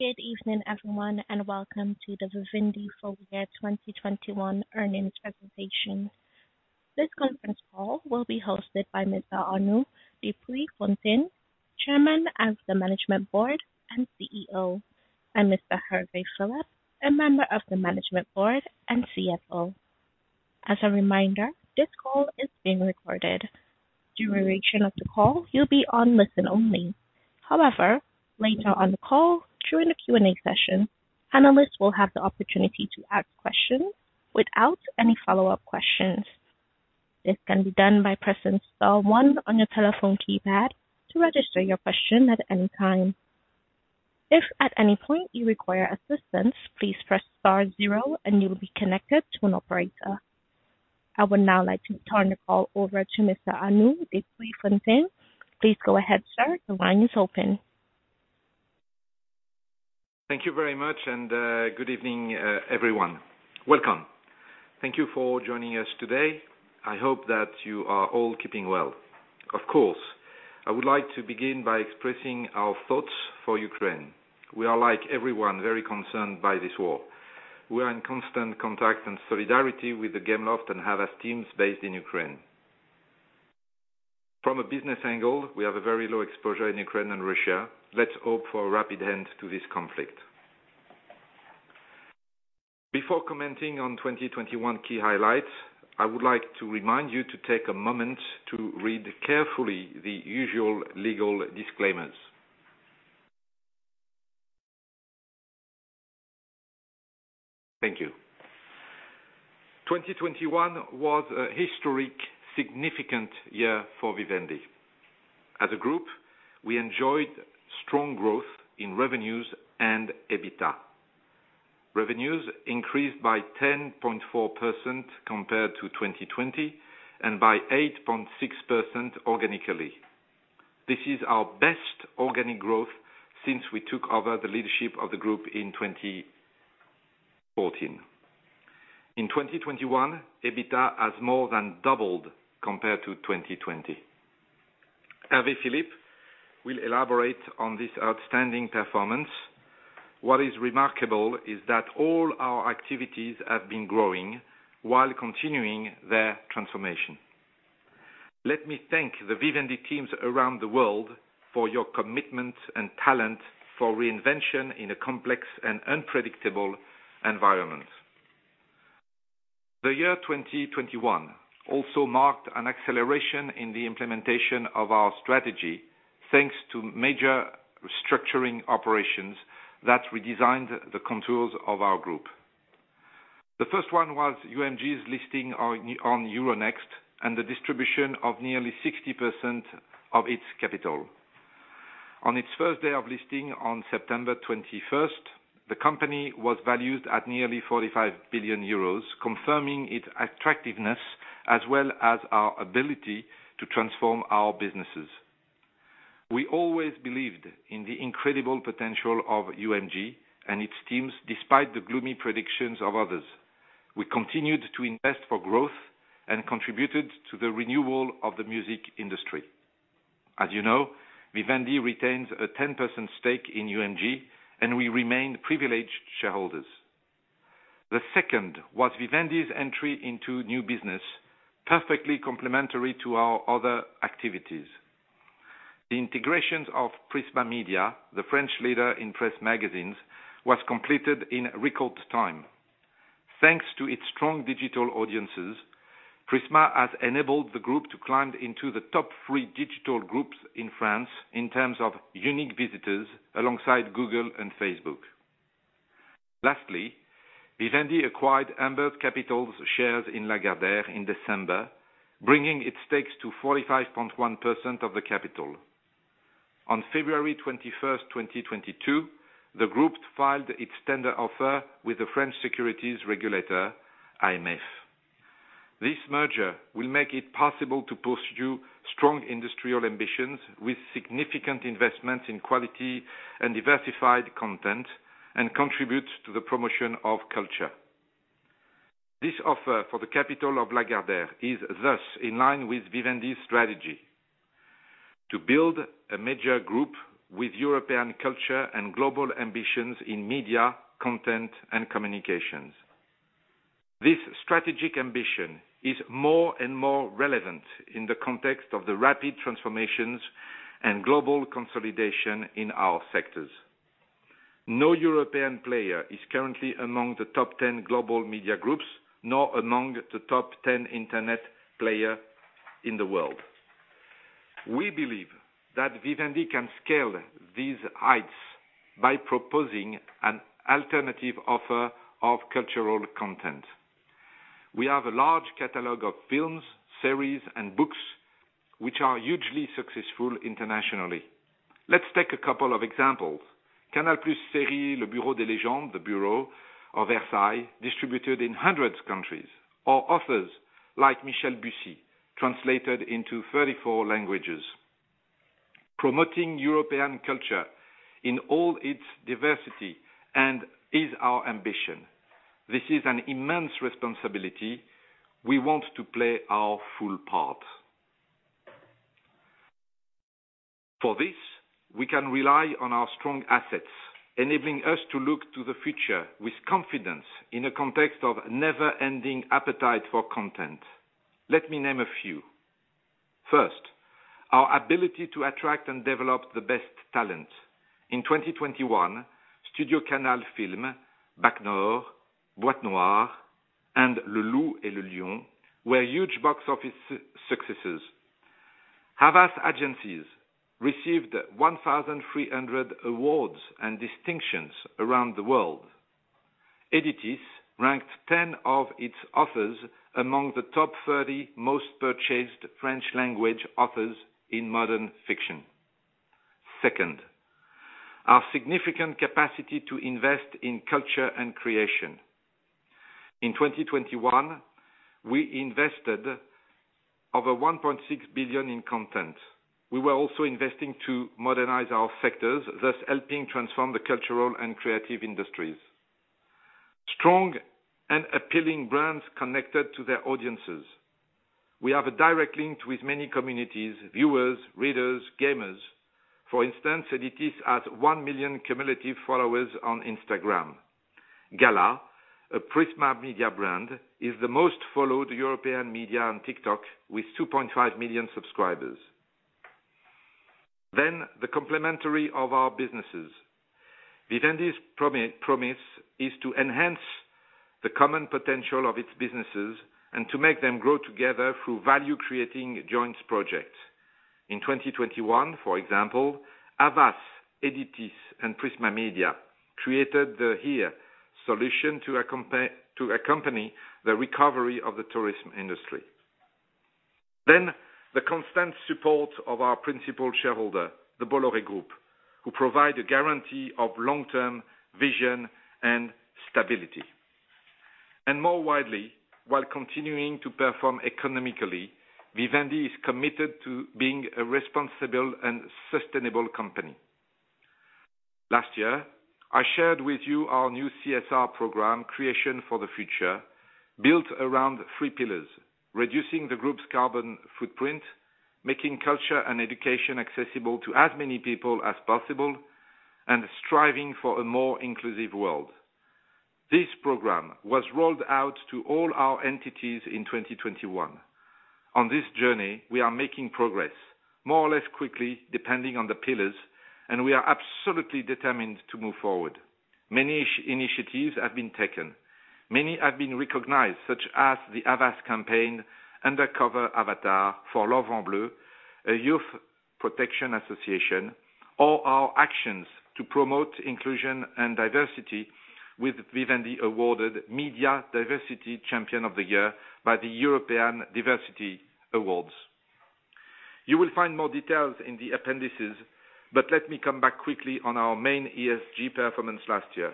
Good evening, everyone, and welcome to the Vivendi full year 2021 earnings presentation. This conference call will be hosted by Mr. Arnaud de Puyfontaine, Chairman of the Management Board and CEO, and Mr. Hervé Philippe, a member of the Management Board and CFO. As a reminder, this call is being recorded. During the duration of the call, you'll be on listen only. However, later on the call, during the Q&A session, analysts will have the opportunity to ask questions without any follow-up questions. This can be done by pressing star one on your telephone keypad to register your question at any time. If at any point you require assistance, please press star zero and you'll be connected to an operator. I would now like to turn the call over to Mr. Arnaud de Puyfontaine. Please go ahead, sir. The line is open. Thank you very much and, good evening, everyone. Welcome. Thank you for joining us today. I hope that you are all keeping well. Of course, I would like to begin by expressing our thoughts for Ukraine. We are, like everyone, very concerned by this war. We are in constant contact and solidarity with the Gameloft and Havas teams based in Ukraine. From a business angle, we have a very low exposure in Ukraine and Russia. Let's hope for a rapid end to this conflict. Before commenting on 2021 key highlights, I would like to remind you to take a moment to read carefully the usual legal disclaimers. Thank you. 2021 was a historic significant year for Vivendi. As a group, we enjoyed strong growth in revenues and EBITDA. Revenues increased by 10.4% compared to 2020 and by 8.6% organically. This is our best organic growth since we took over the leadership of the group in 2014. In 2021, EBITDA has more than doubled compared to 2020. Hervé Philippe will elaborate on this outstanding performance. What is remarkable is that all our activities have been growing while continuing their transformation. Let me thank the Vivendi teams around the world for your commitment and talent for reinvention in a complex and unpredictable environment. The year 2021 also marked an acceleration in the implementation of our strategy, thanks to major restructuring operations that redesigned the contours of our group. The first one was UMG's listing on Euronext and the distribution of nearly 60% of its capital. On its first day of listing on September 21, the company was valued at nearly 45 billion euros, confirming its attractiveness as well as our ability to transform our businesses. We always believed in the incredible potential of UMG and its teams, despite the gloomy predictions of others. We continued to invest for growth and contributed to the renewal of the music industry. As you know, Vivendi retains a 10% stake in UMG, and we remain privileged shareholders. The second was Vivendi's entry into new business, perfectly complementary to our other activities. The integrations of Prisma Media, the French leader in press magazines, was completed in record time. Thanks to its strong digital audiences, Prisma has enabled the group to climb into the top three digital groups in France in terms of unique visitors alongside Google and Facebook. Lastly, Vivendi acquired Amber Capital's shares in Lagardère in December, bringing its stakes to 45.1% of the capital. On February 21, 2022, the group filed its tender offer with the French securities regulator, AMF. This merger will make it possible to pursue strong industrial ambitions with significant investments in quality and diversified content and contribute to the promotion of culture. This offer for the capital of Lagardère is thus in line with Vivendi's strategy to build a major group with European culture and global ambitions in media, content, and communications. This strategic ambition is more and more relevant in the context of the rapid transformations and global consolidation in our sectors. No European player is currently among the top ten global media groups, nor among the top ten internet player in the world. We believe that Vivendi can scale these heights by proposing an alternative offer of cultural content. We have a large catalog of films, series, and books which are hugely successful internationally. Let's take a couple of examples. Canal+ series, Le Bureau des Légendes, The Bureau, distributed in hundreds of countries, or authors like Michel Bussi, translated into 34 languages. Promoting European culture in all its diversity is our ambition. This is an immense responsibility. We want to play our full part. For this, we can rely on our strong assets, enabling us to look to the future with confidence in a context of never-ending appetite for content. Let me name a few. First, our ability to attract and develop the best talent. In 2021, StudioCanal films, BAC Nord, Boîte Noire, and Le Loup et le Lion were huge box office successes. Havas agencies received 1,300 awards and distinctions around the world. Editis ranked 10 of its authors among the top 30 most purchased French language authors in modern fiction. Second, our significant capacity to invest in culture and creation. In 2021, we invested over 1.6 billion in content. We were also investing to modernize our sectors, thus helping transform the cultural and creative industries. Strong and appealing brands connected to their audiences. We have a direct link with many communities, viewers, readers, gamers. For instance, Editis has 1 million cumulative followers on Instagram. Gala, a Prisma Media brand, is the most followed European media on TikTok with 2.5 million subscribers. The complementarity of our businesses. Vivendi's promise is to enhance the common potential of its businesses and to make them grow together through value-creating joint projects. In 2021, for example, Havas, Editis, and Prisma Media created the HERE solution to accompany the recovery of the tourism industry. The constant support of our principal shareholder, the Bolloré Group, provides a guarantee of long-term vision and stability. More widely, while continuing to perform economically, Vivendi is committed to being a responsible and sustainable company. Last year, I shared with you our new CSR program, Creation for the Future, built around three pillars, reducing the group's carbon footprint, making culture and education accessible to as many people as possible, and striving for a more inclusive world. This program was rolled out to all our entities in 2021. On this journey, we are making progress, more or less quickly depending on the pillars, and we are absolutely determined to move forward. Many initiatives have been taken. Many have been recognized, such as the Havas campaign, Undercover Avatar for L'Enfant Bleu, a youth protection association, or our actions to promote inclusion and diversity with Vivendi awarded Media Diversity Champion of the Year by the European Diversity Awards. You will find more details in the appendices, but let me come back quickly on our main ESG performance last year.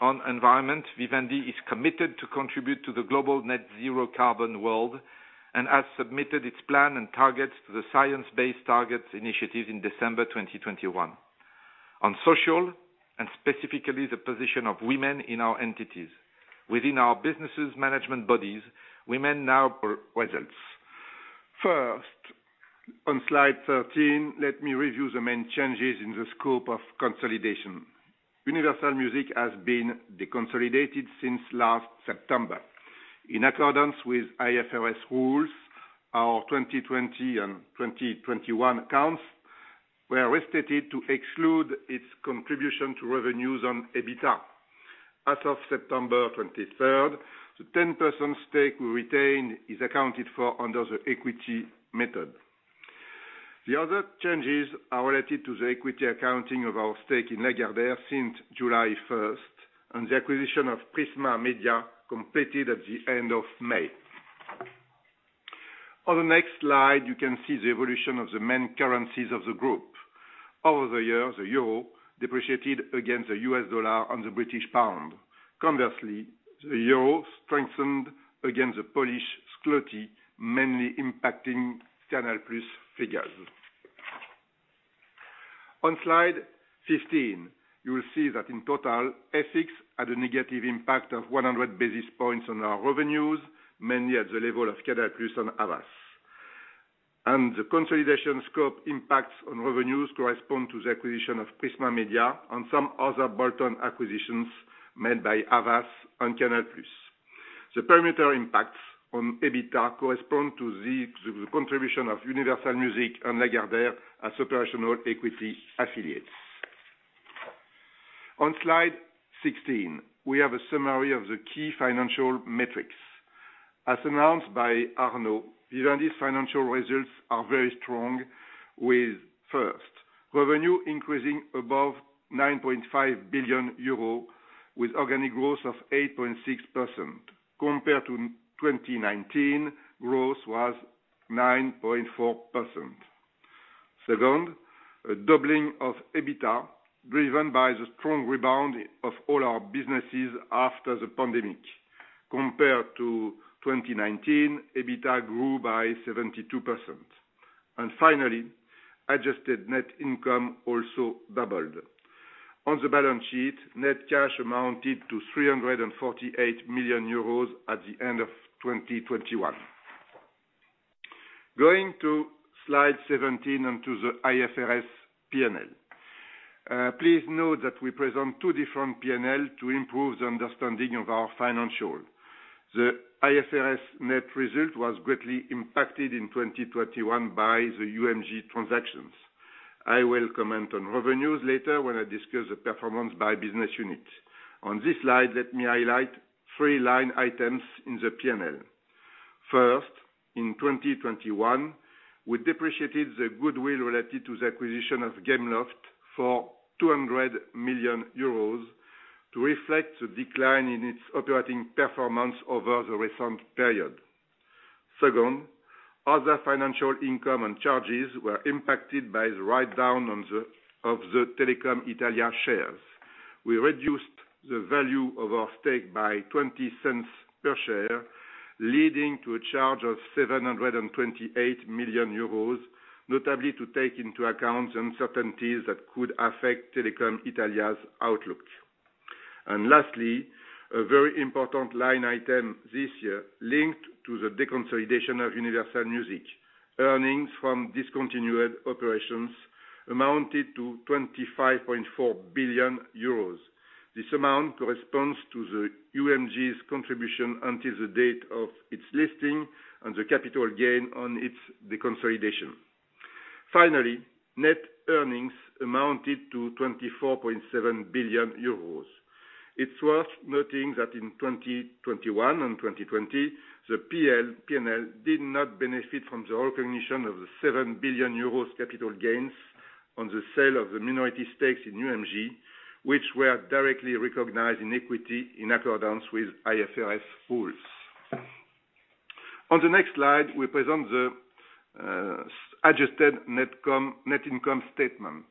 On environment, Vivendi is committed to contribute to the global net zero carbon world and has submitted its plan and targets to the Science Based Targets initiative in December 2021. On social, and specifically the position of women in our entities. Within our businesses management bodies, women now results. First, on slide 13, let me review the main changes in the scope of consolidation. Universal Music has been deconsolidated since last September. In accordance with IFRS rules, our 2020 and 2021 accounts were restated to exclude its contribution to revenues and EBITDA. As of September 23, the 10% stake we retained is accounted for under the equity method. The other changes are related to the equity accounting of our stake in Lagardère since July first, and the acquisition of Prisma Media completed at the end of May. On the next slide, you can see the evolution of the main currencies of the group. Over the years, the euro depreciated against the U.S. dollar and the British pound. Conversely, the euro strengthened against the Polish zloty, mainly impacting Canal+ figures. On slide 15, you will see that in total, FX had a negative impact of 100 basis points on our revenues, mainly at the level of Canal+ and Havas. The consolidation scope impacts on revenues correspond to the acquisition of Prisma Media and some other bolt-on acquisitions made by Havas and Canal+. The perimeter impacts on EBITDA correspond to the contribution of Universal Music and Lagardère as operational equity affiliates. On slide 16, we have a summary of the key financial metrics. As announced by Arnaud, Vivendi's financial results are very strong with, first, revenue increasing above 9.5 billion euro with organic growth of 8.6%. Compared to 2019, growth was 9.4%. Second, a doubling of EBITDA, driven by the strong rebound of all our businesses after the pandemic. Compared to 2019, EBITDA grew by 72%. Finally, adjusted net income also doubled. On the balance sheet, net cash amounted to 348 million euros at the end of 2021. Going to slide 17 on the IFRS P&L. Please note that we present two different P&L to improve the understanding of our financials. The IFRS net result was greatly impacted in 2021 by the UMG transactions. I will comment on revenues later when I discuss the performance by business unit. On this slide, let me highlight three line items in the P&L. First, in 2021, we depreciated the goodwill related to the acquisition of Gameloft for 200 million euros to reflect the decline in its operating performance over the recent period. Second, other financial income and charges were impacted by the write-down of the Telecom Italia shares. We reduced the value of our stake by 0.20 per share, leading to a charge of 728 million euros, notably to take into account uncertainties that could affect Telecom Italia's outlooks. Lastly, a very important line item this year linked to the deconsolidation of Universal Music. Earnings from discontinued operations amounted to 25.4 billion euros. This amount corresponds to the UMG's contribution until the date of its listing and the capital gain on its deconsolidation. Finally, net earnings amounted to 24.7 billion euros. It's worth noting that in 2021 and 2020, the P&L did not benefit from the recognition of the 7 billion euros capital gains on the sale of the minority stakes in UMG, which were directly recognized in equity in accordance with IFRS rules. On the next slide, we present the adjusted net income statement.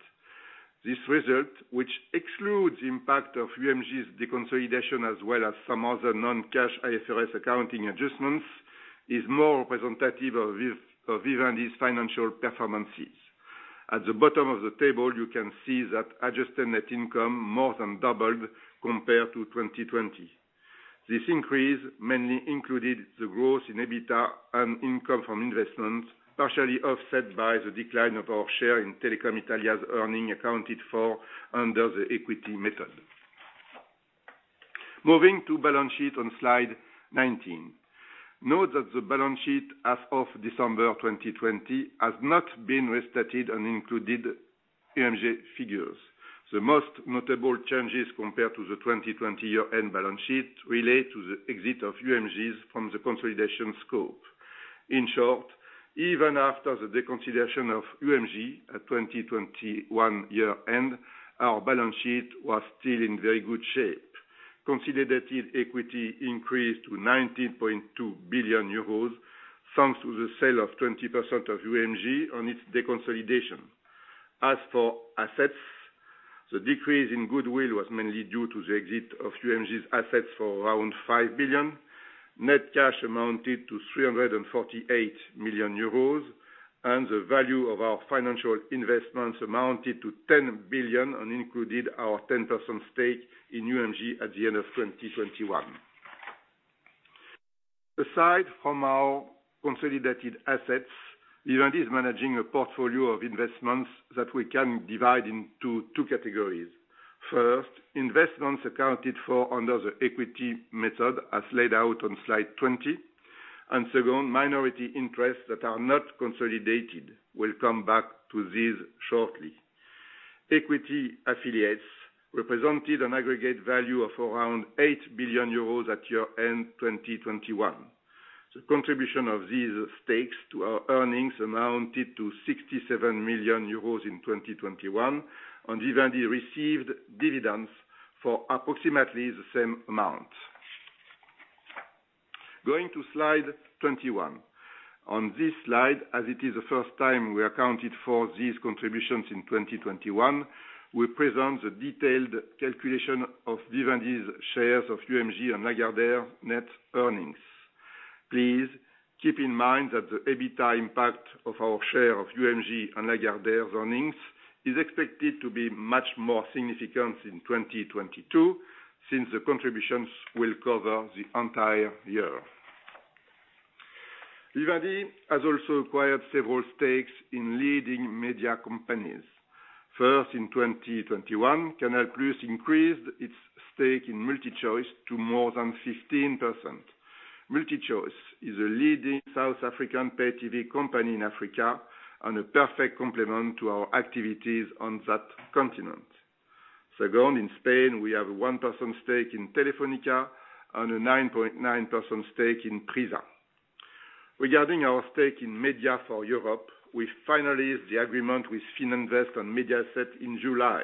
This result, which excludes the impact of UMG's deconsolidation, as well as some other non-cash IFRS accounting adjustments, is more representative of Vivendi's financial performance. At the bottom of the table, you can see that adjusted net income more than doubled compared to 2020. This increase mainly included the growth in EBITDA and income from investments, partially offset by the decline of our share in Telecom Italia's earnings accounted for under the equity method. Moving to balance sheet on slide 19. Note that the balance sheet as of December 2020 has not been restated and included UMG figures. The most notable changes compared to the 2020 year-end balance sheet relate to the exit of UMG from the consolidation scope. In short, even after the deconsolidation of UMG at 2021 year-end, our balance sheet was still in very good shape. Consolidated equity increased to 19.2 billion euros, thanks to the sale of 20% of UMG on its deconsolidation. As for assets, the decrease in goodwill was mainly due to the exit of UMG's assets for around 5 billion. Net cash amounted to 348 million euros, and the value of our financial investments amounted to 10 billion and included our 10% stake in UMG at the end of 2021. Aside from our consolidated assets, Vivendi is managing a portfolio of investments that we can divide into two categories. First, investments accounted for under the equity method as laid out on slide 20. Second, minority interests that are not consolidated. We'll come back to these shortly. Equity affiliates represented an aggregate value of around 8 billion euros at year-end 2021. The contribution of these stakes to our earnings amounted to 67 million euros in 2021, and Vivendi received dividends for approximately the same amount. Going to slide 21. On this slide, as it is the first time we accounted for these contributions in 2021, we present the detailed calculation of Vivendi's shares of UMG and Lagardère net earnings. Please keep in mind that the EBITDA impact of our share of UMG and Lagardère earnings is expected to be much more significant in 2022, since the contributions will cover the entire year. Vivendi has also acquired several stakes in leading media companies. First, in 2021, Canal+ increased its stake in MultiChoice to more than 15%. MultiChoice is a leading South African pay TV company in Africa and a perfect complement to our activities on that continent. Second, in Spain, we have a 1% stake in Telefónica and a 9.9% stake in Prisa. Regarding our stake in MediaForEurope, we finalized the agreement with Fininvest and Mediaset in July.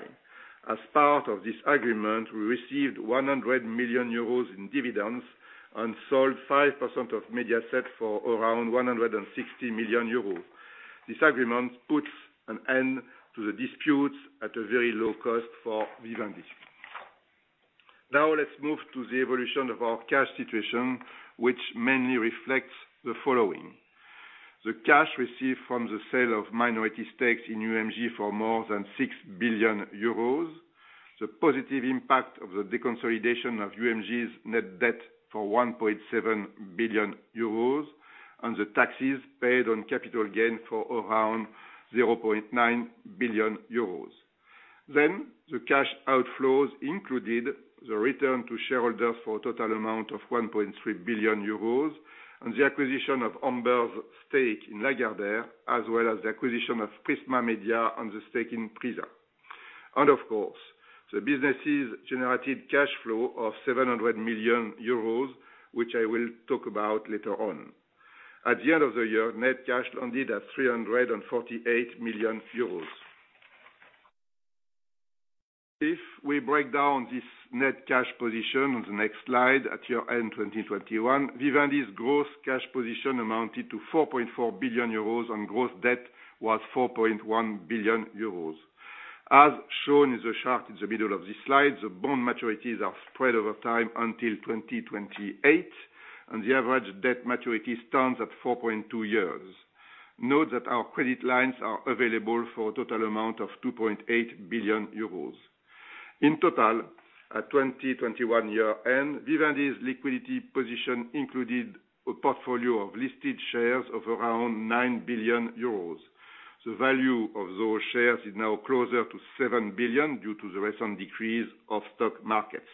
As part of this agreement, we received 100 million euros in dividends and sold 5% of Mediaset for around 160 million euros. This agreement puts an end to the dispute at a very low cost for Vivendi. Now let's move to the evolution of our cash situation, which mainly reflects the following. The cash received from the sale of minority stakes in UMG for more than 6 billion euros. The positive impact of the deconsolidation of UMG's net debt for 1.7 billion euros and the taxes paid on capital gain for around 0.9 billion euros. The cash outflows included the return to shareholders for a total amount of 1.3 billion euros and the acquisition of Amber's stake in Lagardère, as well as the acquisition of Prisma Media and the stake in Prisa. Of course, the businesses generated cash flow of 700 million euros, which I will talk about later on. At the end of the year, net cash landed at 348 million euros. If we break down this net cash position on the next slide, at year-end 2021, Vivendi's gross cash position amounted to 4.4 billion euros and gross debt was 4.1 billion euros. As shown in the chart in the middle of this slide, the bond maturities are spread over time until 2028, and the average debt maturity stands at 4.2 years. Note that our credit lines are available for a total amount of 2.8 billion euros. In total, at 2021 year end, Vivendi's liquidity position included a portfolio of listed shares of around 9 billion euros. The value of those shares is now closer to 7 billion due to the recent decrease of stock markets.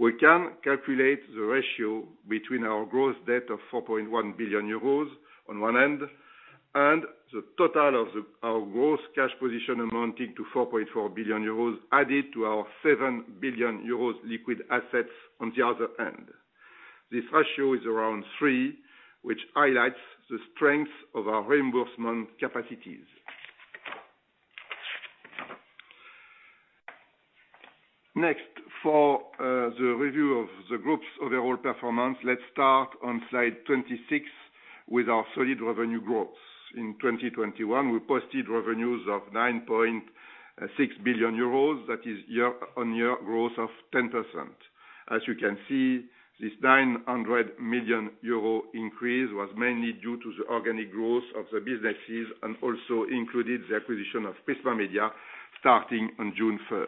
We can calculate the ratio between our gross debt of 4.1 billion euros on one end, and the total of our gross cash position amounting to 4.4 billion euros added to our 7 billion euros liquid assets on the other end. This ratio is around three, which highlights the strength of our reimbursement capacities. Next, for the review of the group's overall performance, let's start on slide 26 with our solid revenue growth. In 2021, we posted revenues of 9.6 billion euros. That is year-on-year growth of 10%. As you can see, this 900 million euro increase was mainly due to the organic growth of the businesses and also included the acquisition of Prisma Media starting on June 1.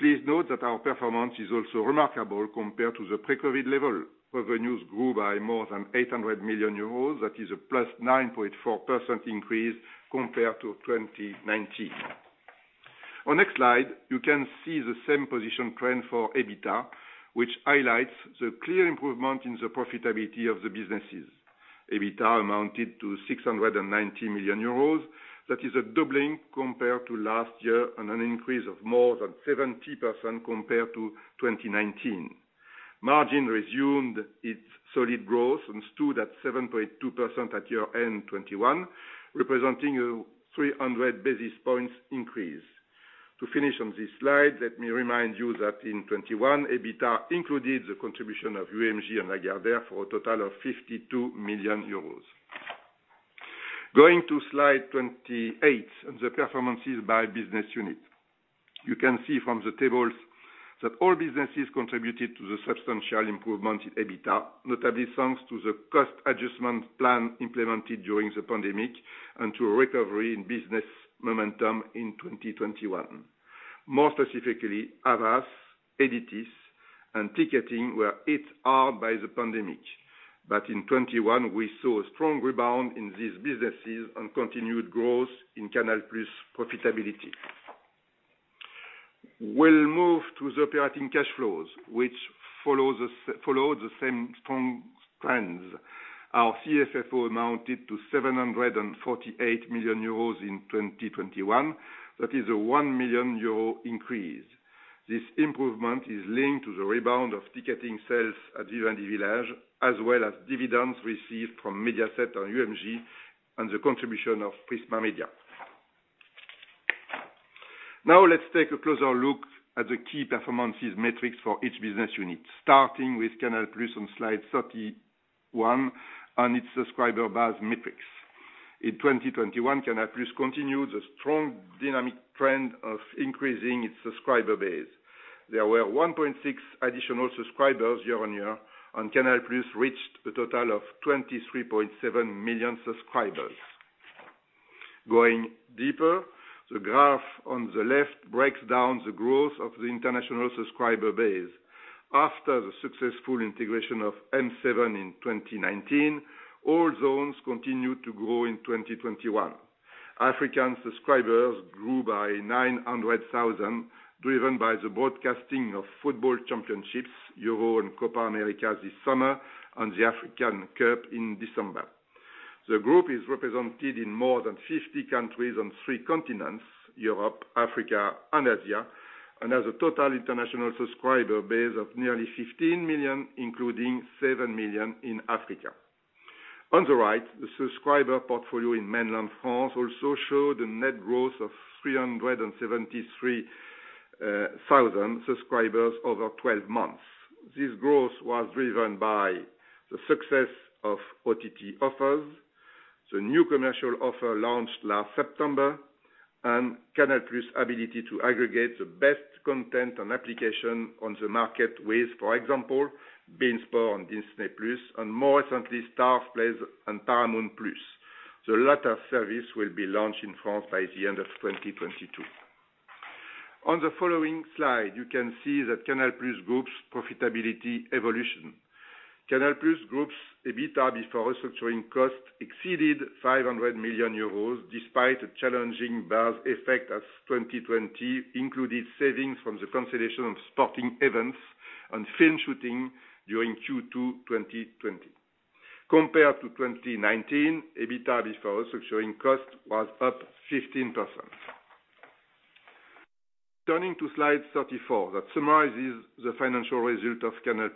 Please note that our performance is also remarkable compared to the pre-COVID level. Revenues grew by more than 800 million euros. That is a +9.4% increase compared to 2019. On next slide, you can see the same position trend for EBITDA, which highlights the clear improvement in the profitability of the businesses. EBITDA amounted to 690 million euros. That is a doubling compared to last year on an increase of more than 70% compared to 2019. Margin resumed its solid growth and stood at 7.2% at year-end 2021, representing a 300 basis points increase. To finish on this slide, let me remind you that in 2021, EBITDA included the contribution of UMG and Lagardère for a total of 52 million euros. Going to slide 28, the performances by business unit. You can see from the tables that all businesses contributed to the substantial improvement in EBITDA, notably thanks to the cost adjustment plan implemented during the pandemic and to a recovery in business momentum in 2021. More specifically, Havas, Editis, and Ticketing were hit hard by the pandemic. In 2021, we saw a strong rebound in these businesses and continued growth in Canal+ profitability. We'll move to the operating cash flows, which followed the same strong trends. Our CFFO amounted to 748 million euros in 2021. That is a 1 million euro increase. This improvement is linked to the rebound of ticketing sales at Vivendi Village, as well as dividends received from Mediaset on UMG and the contribution of Prisma Media. Now let's take a closer look at the key performance metrics for each business unit, starting with Canal+ on slide 31 and its subscriber base metrics. In 2021, Canal+ continued a strong dynamic trend of increasing its subscriber base. There were 1.6 million additional subscribers year on year, and Canal+ reached a total of 23.7 million subscribers. Going deeper, the graph on the left breaks down the growth of the international subscriber base. After the successful integration of M7 Group in 2019, all zones continued to grow in 2021. African subscribers grew by 900,000, driven by the broadcasting of football championships, Euro and Copa América this summer and the Africa Cup of Nations in December. The group is represented in more than 50 countries on three continents Europe, Africa, and Asia, and has a total international subscriber base of nearly 15 million, including 7 million in Africa. On the right, the subscriber portfolio in mainland France also showed a net growth of 373,000 thousand subscribers over 12 months. This growth was driven by the success of OTT offers. The new commercial offer launched last September and Canal+ ability to aggregate the best content and applications on the market with, for example, beIN Sports on Disney+, and more recently, Starzplay and Paramount+. The latter service will be launched in France by the end of 2022. On the following slide, you can see that Canal+ Group's profitability evolution. Canal+ Group's EBITDA before restructuring costs exceeded 500 million euros despite a challenging base effect as 2020 included savings from the consolidation of sporting events and film shooting during Q2 2020. Compared to 2019, EBITDA before restructuring costs was up 15%. Turning to slide 34, that summarizes the financial result of Canal+.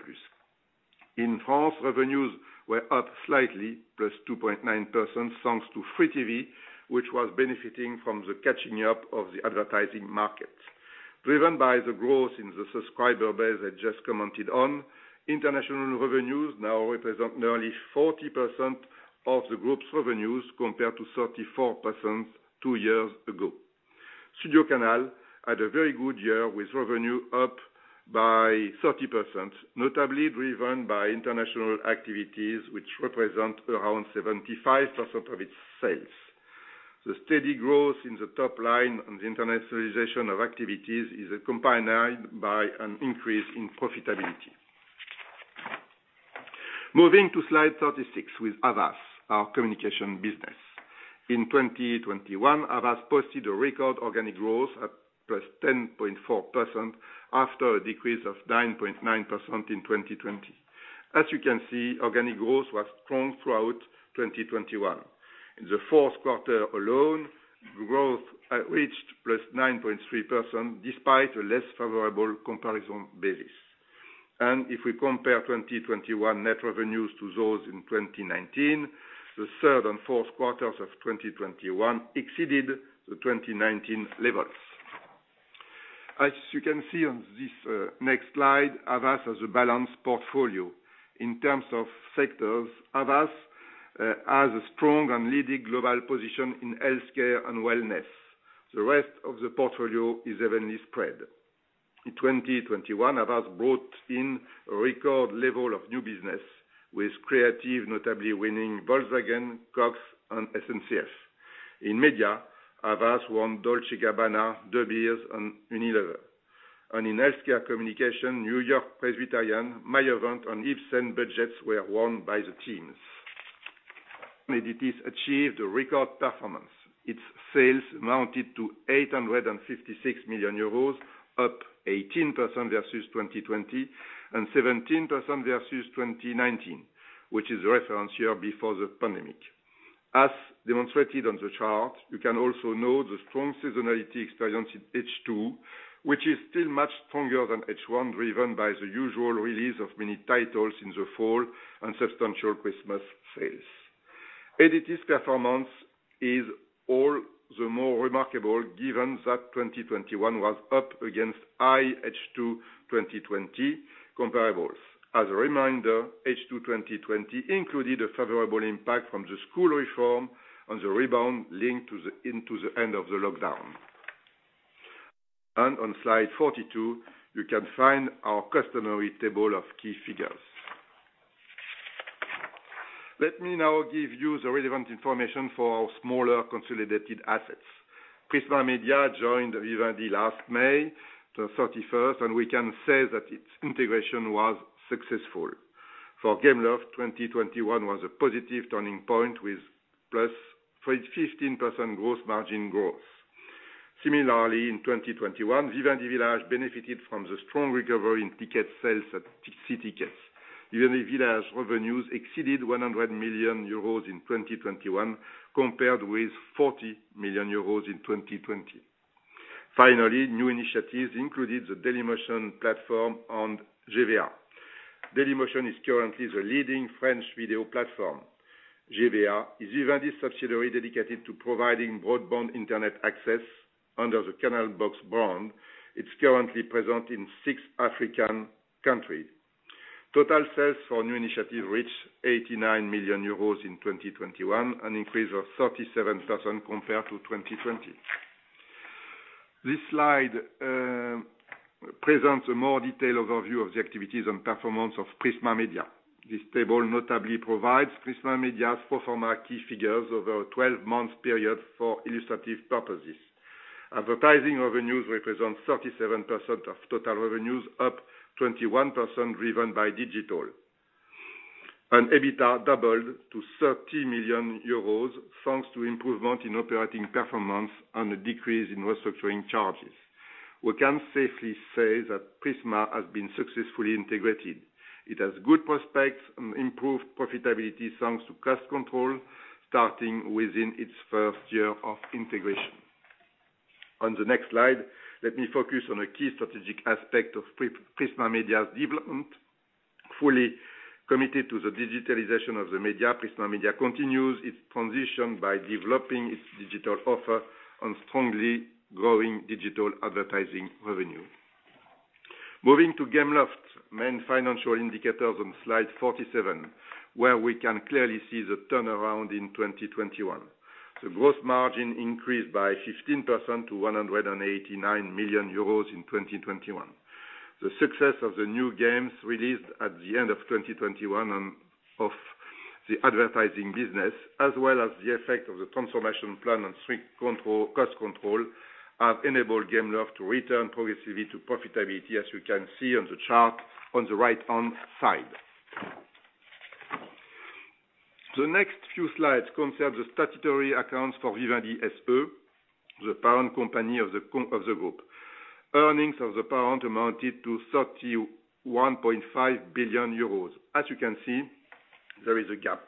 In France, revenues were up slightly, +2.9%, thanks to free TV, which was benefiting from the catching up of the advertising market. Driven by the growth in the subscriber base I just commented on, international revenues now represent nearly 40% of the group's revenues, compared to 34% two years ago. StudioCanal had a very good year with revenue up by 30%, notably driven by international activities, which represent around 75% of its sales. The steady growth in the top line and the internationalization of activities is accompanied by an increase in profitability. Moving to slide 36 with Havas, our communication business. In 2021, Havas posted a record organic growth at +10.4% after a decrease of 9.9% in 2020. As you can see, organic growth was strong throughout 2021. In the fourth quarter alone, growth reached +9.3% despite a less favorable comparison basis. If we compare 2021 net revenues to those in 2019, the third and fourth quarters of 2021 exceeded the 2019 levels. As you can see on this next slide, Havas has a balanced portfolio. In terms of sectors, Havas has a strong and leading global position in healthcare and wellness. The rest of the portfolio is evenly spread. In 2021, Havas brought in a record level of new business with creative notably winning Volkswagen, Coty, and SNCF. In media, Havas won Dolce & Gabbana, De Beers, and Unilever. In healthcare communication, NewYork-Presbyterian, Mayo Clinic, and Ipsen budgets were won by the teams. Editis achieved a record performance. Its sales amounted to 856 million euros, up 18% versus 2020 and 17% versus 2019, which is the reference year before the pandemic. As demonstrated on the chart, you can also note the strong seasonality experienced in H2, which is still much stronger than H1, driven by the usual release of many titles in the fall and substantial Christmas sales. Editis performance is all the more remarkable given that 2021 was up against high H2 2020 comparables. As a reminder, H2 2020 included a favorable impact from the school reform and the rebound linked to the end of the lockdown. On slide 42, you can find our customary table of key figures. Let me now give you the relevant information for our smaller consolidated assets. Prisma Media joined Vivendi last May 31, and we can say that its integration was successful. For Gameloft, 2021 was a positive turning point with +15% gross margin growth. Similarly, in 2021, Vivendi Village benefited from the strong recovery in ticket sales at See Tickets. Vivendi Village revenues exceeded 100 million euros in 2021, compared with 40 million euros in 2020. Finally, new initiatives included the Dailymotion platform and GVA. Dailymotion is currently the leading French video platform. GVA is Vivendi's subsidiary dedicated to providing broadband internet access under the CanalBox brand. It's currently present in six African countries. Total sales for new initiatives reached 89 million euros in 2021, an increase of 37% compared to 2020. This slide presents a more detailed overview of the activities and performance of Prisma Media. This table notably provides Prisma Media's pro forma key figures over a 12-month period for illustrative purposes. Advertising revenues represent 37% of total revenues, up 21% driven by digital. EBITDA doubled to 30 million euros, thanks to improvement in operating performance and a decrease in restructuring charges. We can safely say that Prisma has been successfully integrated. It has good prospects and improved profitability thanks to cost control starting within its first year of integration. On the next slide, let me focus on a key strategic aspect of Prisma Media's development. Fully committed to the digitalization of the media, Prisma Media continues its transition by developing its digital offer and strongly growing digital advertising revenue. Moving to Gameloft's main financial indicators on slide 47, where we can clearly see the turnaround in 2021. The gross margin increased by 15% to 189 million euros in 2021. The success of the new games released at the end of 2021 and of the advertising business, as well as the effect of the transformation plan on strict cost control, have enabled Gameloft to return progressively to profitability, as you can see on the chart on the right-hand side. The next few slides concern the statutory accounts for Vivendi SE, the parent company of the group. Earnings of the parent amounted to 31.5 billion euros. As you can see, there is a gap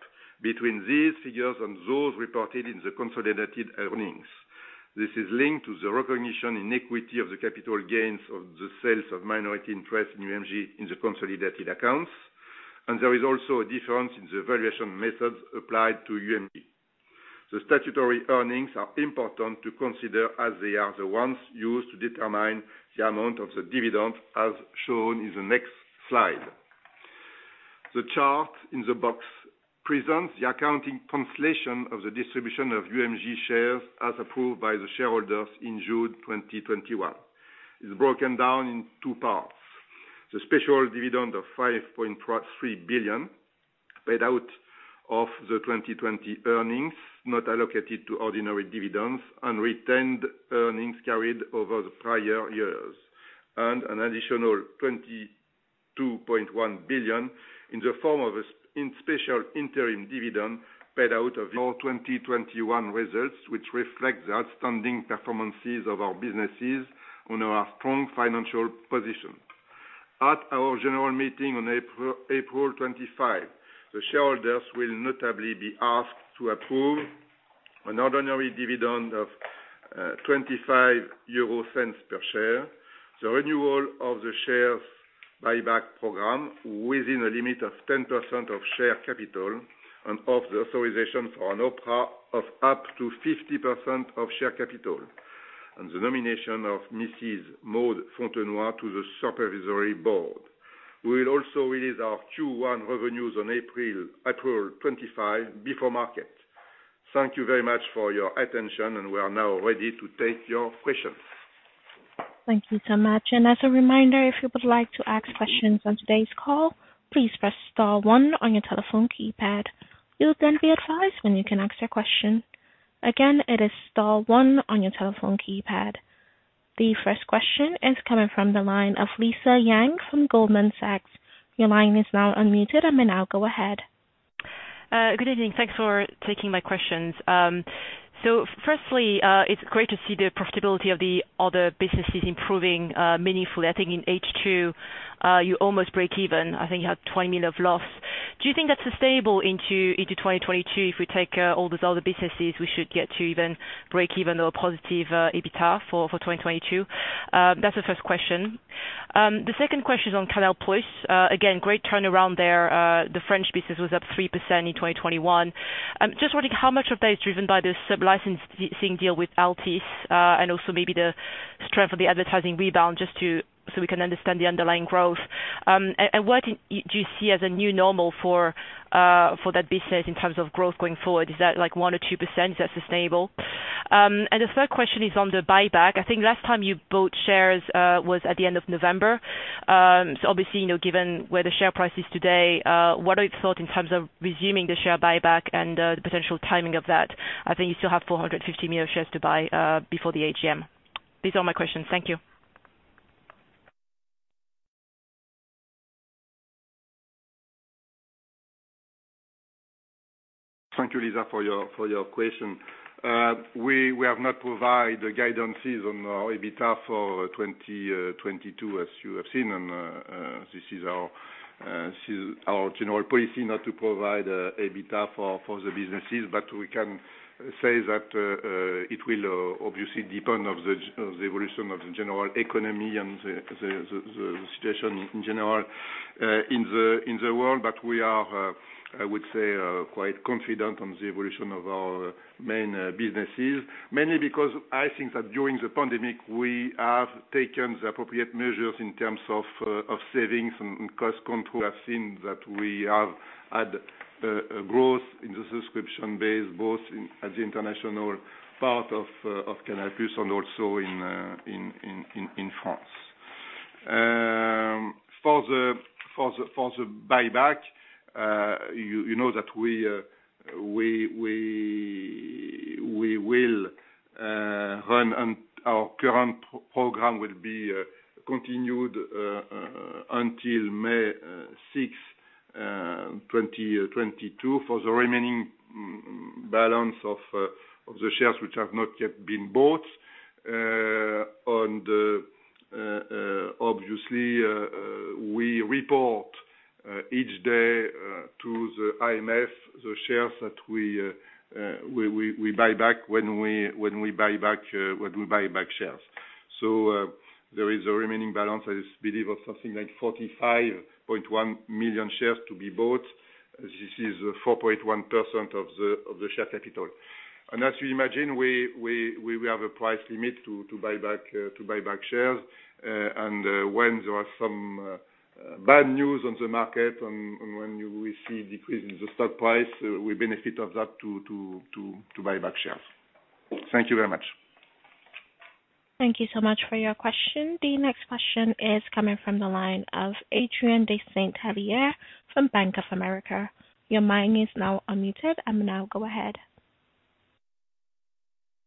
between these figures and those reported in the consolidated earnings. This is linked to the recognition in equity of the capital gains of the sales of minority interest in UMG in the consolidated accounts, and there is also a difference in the valuation methods applied to UMG. The statutory earnings are important to consider as they are the ones used to determine the amount of the dividend, as shown in the next slide. The chart in the box presents the accounting translation of the distribution of UMG shares as approved by the shareholders in June 2021. It's broken down in two parts. The special dividend of 5.3 billion paid out of the 2020 earnings, not allocated to ordinary dividends, unretained earnings carried over the prior years. An additional 22.1 billion in the form of an in-kind special interim dividend paid out of our 2021 results, which reflect the outstanding performances of our businesses and our strong financial position. At our general meeting on April 25, the shareholders will notably be asked to approve an ordinary dividend of 0.25 per share, the renewal of the share buyback program within a limit of 10% of share capital and of the authorization for an OPRA of up to 50% of share capital, and the nomination of Mrs. Maud Fontenoy to the supervisory board. We will also release our Q1 revenues on April 25 before market. Thank you very much for your attention, and we are now ready to take your questions. Thank you so much. As a reminder, if you would like to ask questions on today's call, please press star one on your telephone keypad. You'll then be advised when you can ask your question. Again, it is star one on your telephone keypad. The first question is coming from the line of Lisa Yang from Goldman Sachs. Your line is now unmuted. You may now go ahead. Good evening. Thanks for taking my questions. So firstly, it's great to see the profitability of the other businesses improving meaningfully. I think in H2, you almost breakeven. I think you had a 20 million loss. Do you think that's sustainable into 2022 if we take all those other businesses, we should get to even breakeven or positive EBITDA for 2022? That's the first question. The second question is on Canal+. Again, great turnaround there. The French business was up 3% in 2021. Just wondering how much of that is driven by the sublicensing deal with Altice, and also maybe the strength of the advertising rebound just so we can understand the underlying growth. What do you see as a new normal for that business in terms of growth going forward? Is that like 1% or 2% that's sustainable? The third question is on the buyback. I think last time you bought shares was at the end of November. Obviously, you know, given where the share price is today, what are your thoughts in terms of resuming the share buyback and the potential timing of that? I think you still have 450 million shares to buy before the AGM. These are my questions. Thank you. Thank you, Lisa, for your question. We have not provided the guidances on our EBITDA for 2022, as you have seen. This is our general policy not to provide EBITDA for the businesses. We can say that it will obviously depend on the evolution of the general economy and the situation in general in the world. We are quite confident on the evolution of our main businesses. Mainly because I think that during the pandemic, we have taken the appropriate measures in terms of savings and cost control. I've seen that we have had a growth in the subscription base, both in the international part of Canal+ and also in France. For the buyback, you know that we will run, and our current program will be continued until May 6, 2022 for the remaining balance of the shares which have not yet been bought. Obviously, we report each day to the AMF the shares that we buy back when we buy back shares. There is a remaining balance, I believe, of something like 45.1 million shares to be bought. This is 4.1% of the share capital. As you imagine, we have a price limit to buy back shares. When there are some bad news on the market and when you receive decrease in the stock price, we benefit of that to buy back shares. Thank you very much. Thank you so much for your question. The next question is coming from the line of Adrien de Saint Hilaire from Bank of America. Your line is now unmuted. Now go ahead.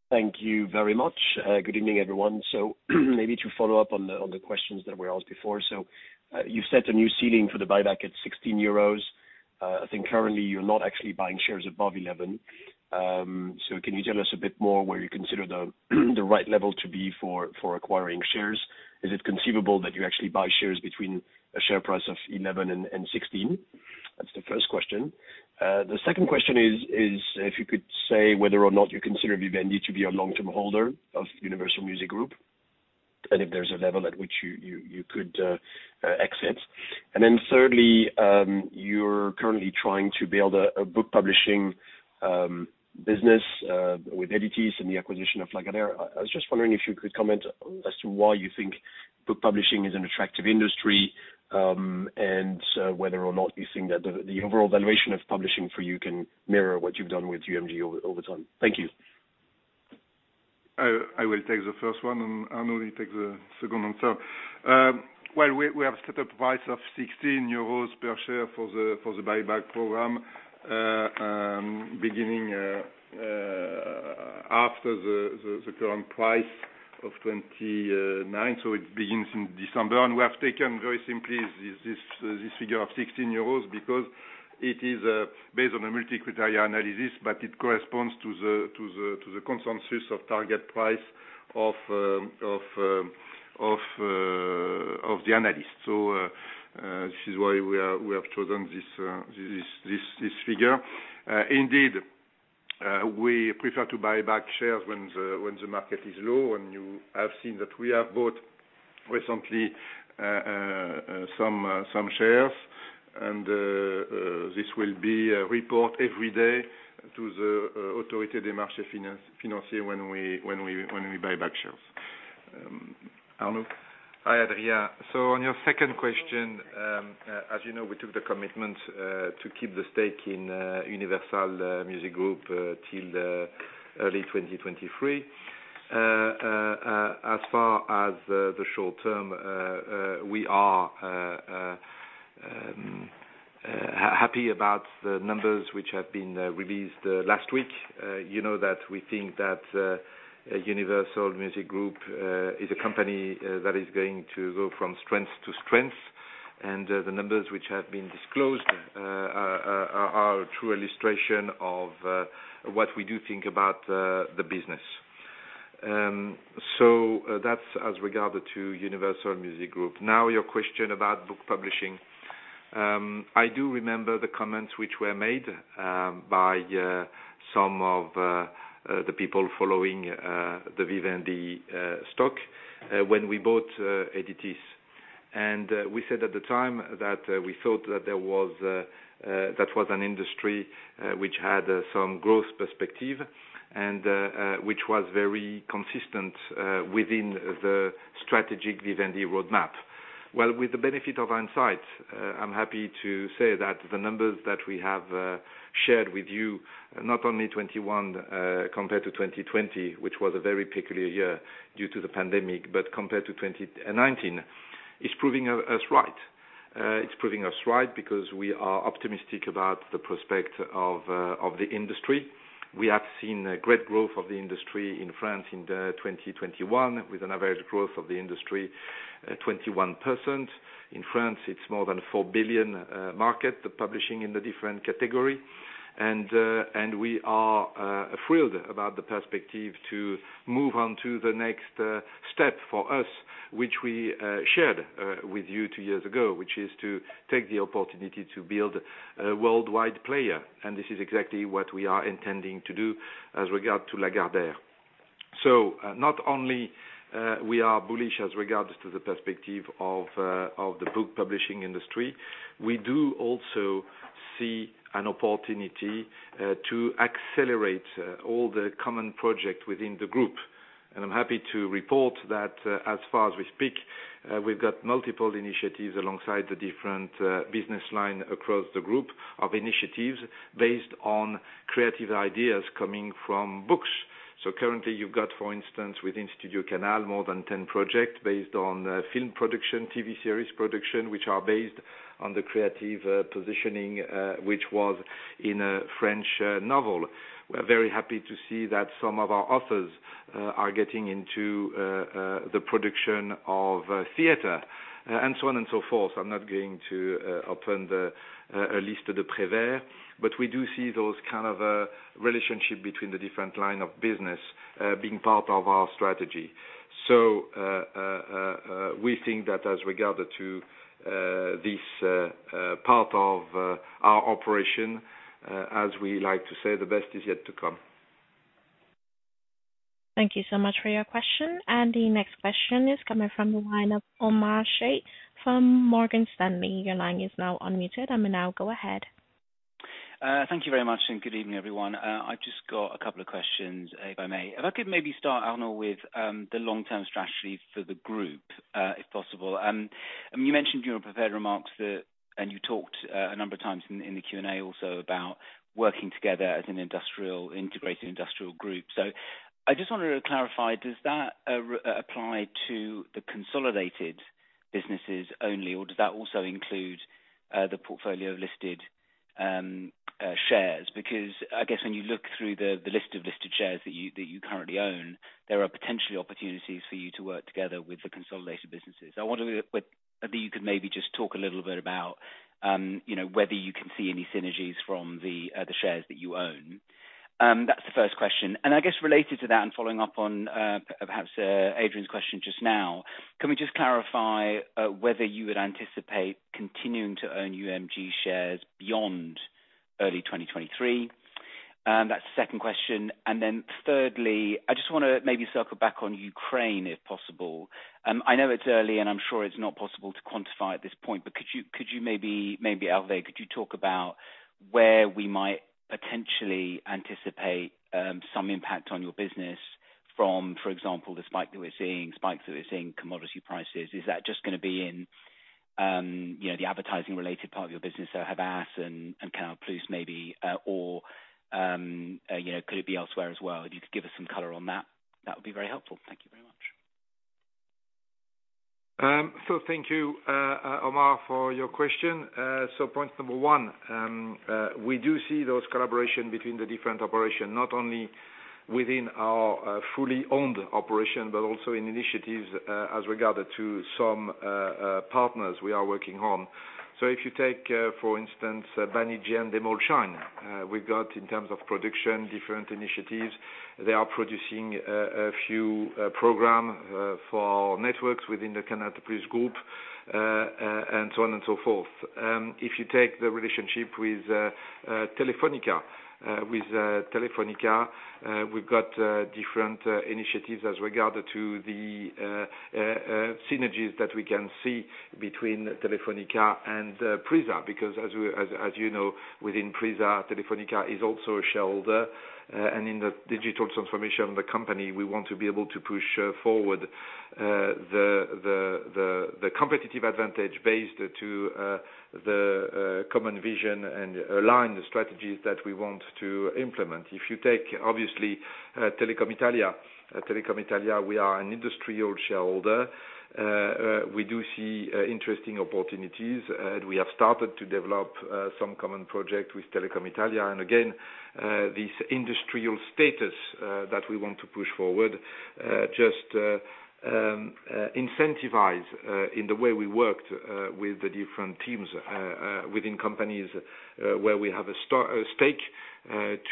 Thank you very much. Good evening, everyone. Maybe to follow up on the questions that were asked before. You've set a new ceiling for the buyback at 16 euros. I think currently you're not actually buying shares above 11. Can you tell us a bit more where you consider the right level to be for acquiring shares? Is it conceivable that you actually buy shares between a share price of 11 and 16? That's the first question. The second question is if you could say whether or not you consider Vivendi to be a long-term holder of Universal Music Group, and if there's a level at which you could exit. Thirdly, you're currently trying to build a book publishing business with Editis and the acquisition of Lagardère. I was just wondering if you could comment as to why you think book publishing is an attractive industry, and whether or not you think that the overall valuation of publishing for you can mirror what you've done with UMG over time. Thank you. I will take the first one, and Arnaud will take the second one. Well, we have set a price of 16 euros per share for the buyback program, beginning after the current price of 29. It begins in December. We have taken very simply this figure of 16 euros because it is based on a multi-criteria analysis, but it corresponds to the consensus of target price of the analyst. This is why we have chosen this figure. Indeed, we prefer to buy back shares when the market is low, and you have seen that we have bought recently some shares and this will be a report every day to the Autorité des Marchés Financiers when we buy back shares. Arnaud? Hi, Adrien. On your second question, as you know, we took the commitment to keep the stake in Universal Music Group till the early 2023. As far as the short term, we are happy about the numbers which have been released last week. You know that we think that Universal Music Group is a company that is going to go from strength to strength. The numbers which have been disclosed are a true illustration of what we do think about the business. That's as regards to Universal Music Group. Now, your question about book publishing. I do remember the comments which were made by some of the people following the Vivendi stock when we bought Editis. We said at the time that we thought that there was that was an industry which had some growth perspective and which was very consistent within the strategic Vivendi roadmap. Well, with the benefit of hindsight, I'm happy to say that the numbers that we have shared with you, not only 2021 compared to 2020, which was a very peculiar year due to the pandemic, but compared to 2019, is proving us right. It's proving us right because we are optimistic about the prospect of the industry. We have seen a great growth of the industry in France in 2021 with an average growth of the industry 21%. In France, it's more than 4 billion market, the publishing in the different category. We are thrilled about the perspective to move on to the next step for us, which we shared with you two years ago, which is to take the opportunity to build a worldwide player. This is exactly what we are intending to do as regard to Lagardère. Not only we are bullish as regards to the perspective of the book publishing industry, we do also see an opportunity to accelerate all the common project within the group. I'm happy to report that, as far as we speak, we've got multiple initiatives alongside the different business line across the group of initiatives based on creative ideas coming from books. Currently you've got, for instance, within StudioCanal, more than 10 projects based on film production, TV series production, which are based on the creative positioning which was in a French novel. We're very happy to see that some of our authors are getting into the production of theater and so on and so forth. I'm not going to open a list of the Prévert, but we do see those kind of relationship between the different line of business being part of our strategy. We think that as regards to this part of our operation, as we like to say, the best is yet to come. Thank you so much for your question. The next question is coming from the line of Omar Sheikh from Morgan Stanley. Your line is now unmuted. Omar, go ahead. Thank you very much and good evening, everyone. I've just got a couple of questions, if I may. If I could maybe start, Arnaud, with the long-term strategy for the group, if possible. You mentioned in your prepared remarks that, and you talked a number of times in the Q&A also about working together as an integrated industrial group. So I just wanted to clarify, does that apply to the consolidated businesses only, or does that also include the portfolio of listed shares? Because I guess when you look through the list of listed shares that you currently own, there are potentially opportunities for you to work together with the consolidated businesses. I wonder if you could maybe just talk a little bit about, you know, whether you can see any synergies from the shares that you own. That's the first question. I guess related to that, and following up on, perhaps, Adrien's question just now, can we just clarify, whether you would anticipate continuing to own UMG shares beyond early 2023? That's the second question. Then thirdly, I just wanna maybe circle back on Ukraine, if possible. I know it's early, and I'm sure it's not possible to quantify at this point, but could you maybe, Hervé, talk about where we might potentially anticipate some impact on your business from, for example, the spikes that we're seeing in commodity prices? Is that just gonna be in, you know, the advertising related part of your business, so Havas and Canal+, maybe, or, you know, could it be elsewhere as well? If you could give us some color on that would be very helpful. Thank you very much. Thank you, Omar, for your question. Point number one, we do see those collaborations between the different operations, not only within our fully owned operations, but also in initiatives as regards to some partners we are working on. If you take, for instance, Banijay and Endemol Shine, we've got in terms of production, different initiatives. They are producing a few programs for networks within the Canal+ Group, and so on and so forth. If you take the relationship with Telefónica, we've got different initiatives as regards to the synergies that we can see between Telefónica and Prisa. Because as we, you know, within Prisa, Telefónica is also a shareholder, and in the digital transformation of the company, we want to be able to push forward the competitive advantage based on the common vision and align the strategies that we want to implement. If you take, obviously, Telecom Italia. Telecom Italia, we are an industrial shareholder. We do see interesting opportunities, and we have started to develop some common project with Telecom Italia. Again, this industrial status that we want to push forward just incentivize in the way we worked with the different teams within companies where we have a stake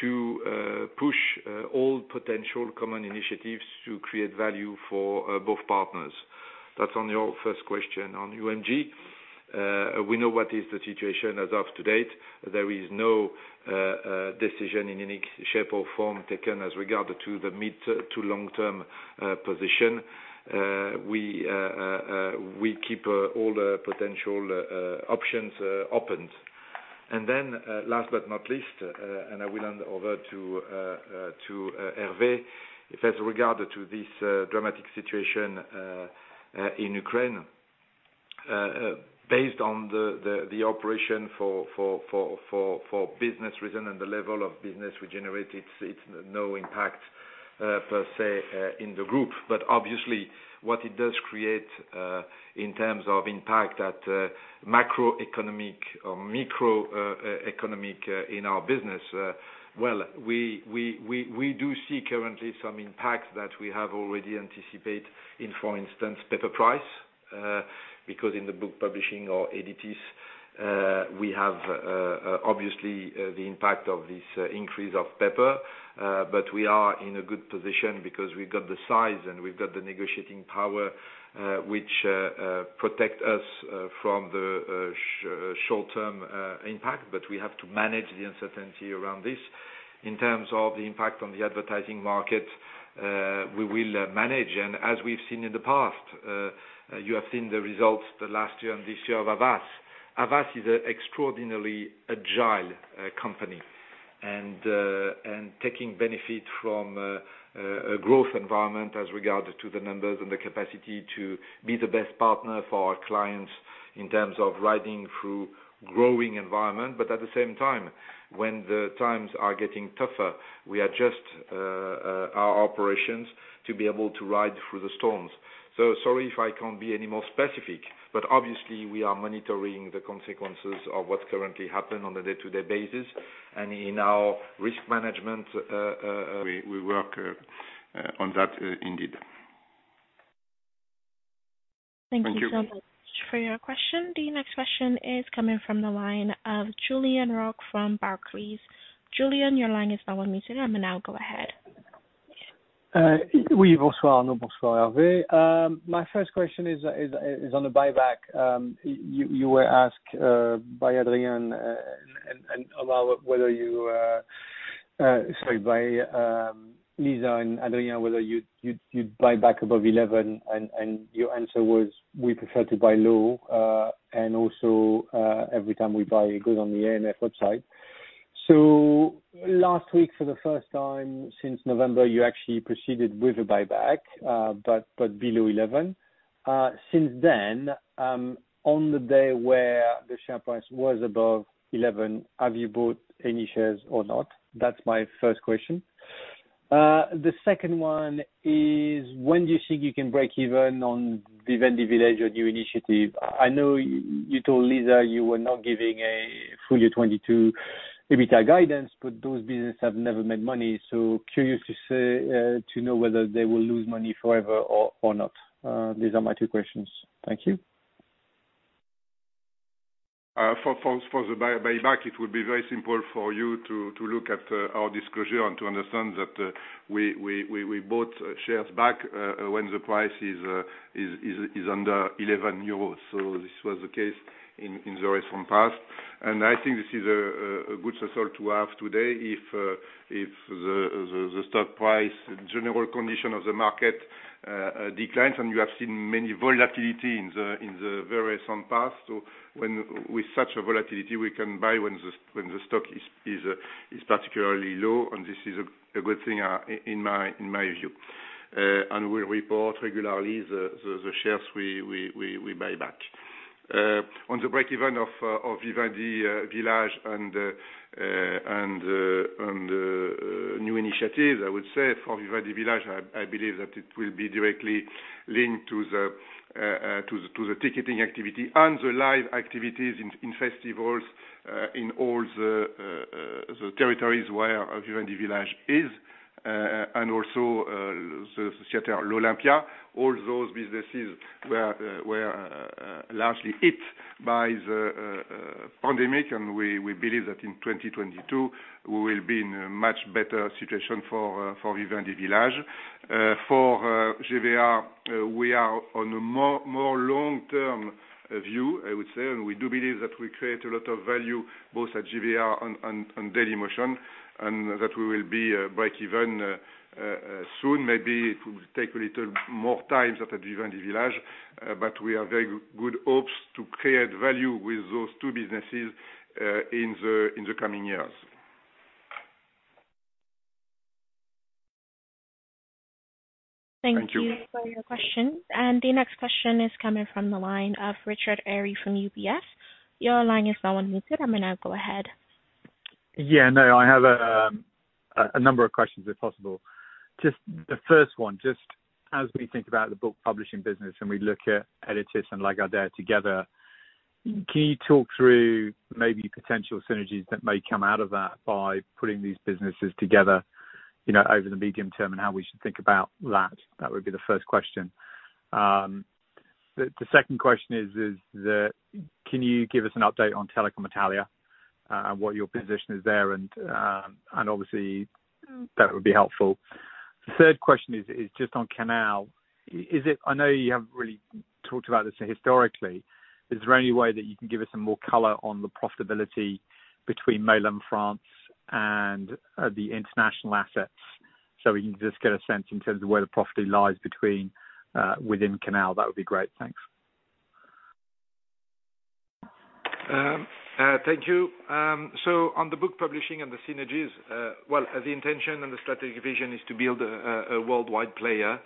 to push all potential common initiatives to create value for both partners. That's on your first question on UMG. We know what is the situation as of to date. There is no decision in any shape or form taken as regard to the mid-to-long-term position. We keep all the potential options opened. Last but not least, I will hand over to Hervé. If as regard to this dramatic situation in Ukraine, based on the operation for business reason and the level of business we generate, it's no impact per se in the group. Obviously what it does create in terms of impact at macroeconomic or microeconomic in our business, well, we do see currently some impacts that we have already anticipated in, for instance, paper price. Because in the book publishing or Editis, we have obviously the impact of this increase of paper, but we are in a good position because we've got the size and we've got the negotiating power, which protect us from the short-term impact. We have to manage the uncertainty around this. In terms of the impact on the advertising market, we will manage. As we've seen in the past, you have seen the results the last year and this year of Havas. Havas is an extraordinarily agile company and taking benefit from a growth environment as regard to the numbers and the capacity to be the best partner for our clients in terms of riding through growing environment. But at the same time, when the times are getting tougher, we adjust our operations to be able to ride through the storms. Sorry if I can't be any more specific, but obviously we are monitoring the consequences of what's currently happened on a day-to-day basis. In our risk management, we work on that indeed. Thank you so much for your question. The next question is coming from the line of Julien Roch from Barclays. Julien, your line is now unmuted. You may now go ahead. Bonsoir Arnaud, Bonsoir Hervé. My first question is on the buyback. You were asked by Adrien. About whether you, sorry, by Lisa and Adrien, whether you'd buy back above 11 and your answer was, we prefer to buy low, and also, every time we buy it goes on the AMF website. Last week, for the first time since November, you actually proceeded with a buyback, but below 11. Since then, on the day where the share price was above 11, have you bought any shares or not? That's my first question. The second one is, when do you think you can break even on the Vivendi Village or new initiative? I know you told Lisa you were not giving a full year 2022 EBITDA guidance, but those businesses have never made money. Curious to say, to know whether they will lose money forever or not. These are my two questions. Thank you. For the buyback, it would be very simple for you to look at our disclosure and to understand that we bought shares back when the price is under 11 euros. This was the case in the recent past, and I think this is a good result to have today if the stock price or general condition of the market declines, and you have seen much volatility in the very recent past. With such volatility we can buy when the stock is particularly low, and this is a good thing in my view. We'll report regularly the shares we buy back. On the breakeven of Vivendi Village and new initiatives, I would say for Vivendi Village, I believe that it will be directly linked to the ticketing activity and the live activities in festivals in all the territories where Vivendi Village is, and also the theater L'Olympia. All those businesses were largely hit by the pandemic. We believe that in 2022, we will be in a much better situation for Vivendi Village. For GVA, we are on a more long-term view, I would say, and we do believe that we create a lot of value, both at GVA on Dailymotion, and that we will be breakeven soon. Maybe it will take a little more time at Vivendi Village, but we have very good hopes to create value with those two businesses in the coming years. Thank you. Thank you. Thank you for your question. The next question is coming from the line of Richard Eary from UBS. Your line is now unmuted. I mean, go ahead. Yeah, no, I have a number of questions, if possible. Just the first one, just as we think about the book publishing business, and we look at Hachette and Lagardère together, can you talk through maybe potential synergies that may come out of that by putting these businesses together, you know, over the medium term, and how we should think about that? That would be the first question. The second question is, can you give us an update on Telecom Italia, what your position is there? And obviously that would be helpful. The third question is just on Canal. I know you haven't really talked about this historically. Is there any way that you can give us some more color on the profitability between mainland France and the international assets, so we can just get a sense in terms of where the profitability lies between within Canal? That would be great. Thanks. Thank you. On the book publishing and the synergies, well, the intention and the strategic vision is to build a worldwide player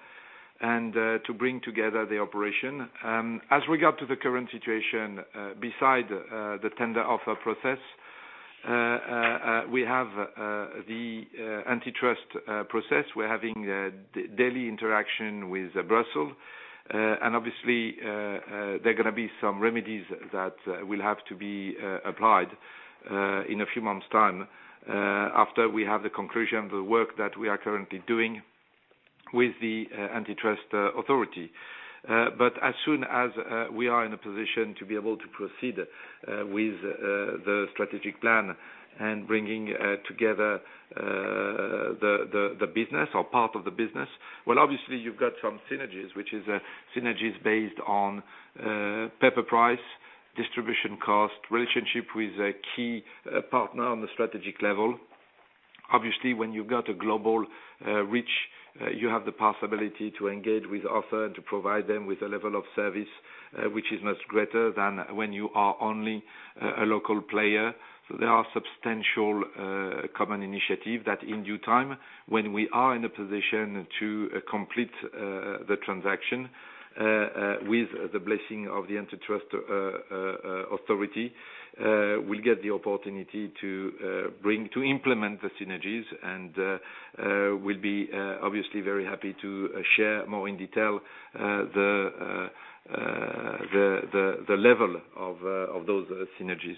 and to bring together the operation. As regard to the current situation, beside the tender offer process, we have the antitrust process. We're having daily interaction with Brussels, and obviously there are gonna be some remedies that will have to be applied in a few months' time, after we have the conclusion of the work that we are currently doing with the antitrust authority. As soon as we are in a position to be able to proceed with the strategic plan and bringing together the business or part of the business, obviously you've got some synergies, which are synergies based on paper price, distribution cost, relationship with a key partner on the strategic level. Obviously, when you've got a global reach, you have the possibility to engage with authors and to provide them with a level of service which is much greater than when you are only a local player. There are substantial common initiatives that in due time, when we are in a position to complete the transaction with the blessing of the antitrust authority, we'll get the opportunity to implement the synergies. We'll be obviously very happy to share more in detail the level of those synergies.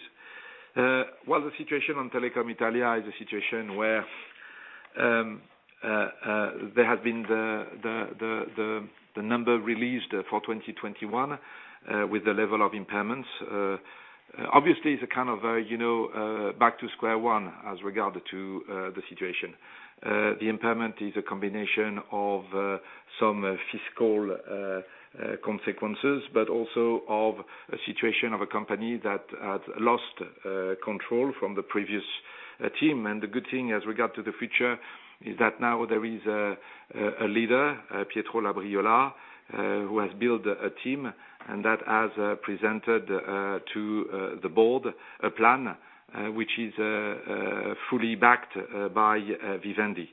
Well, the situation on Telecom Italia is a situation where there had been the number released for 2021 with the level of impairments. Obviously, it's a kind of, you know, back to square one as regard to the situation. The impairment is a combination of some fiscal consequences, but also of a situation of a company that had lost control from the previous a team. The good thing as regard to the future is that now there is a leader, Pietro Labriola, who has built a team, and that has presented to the board a plan, which is fully backed by Vivendi.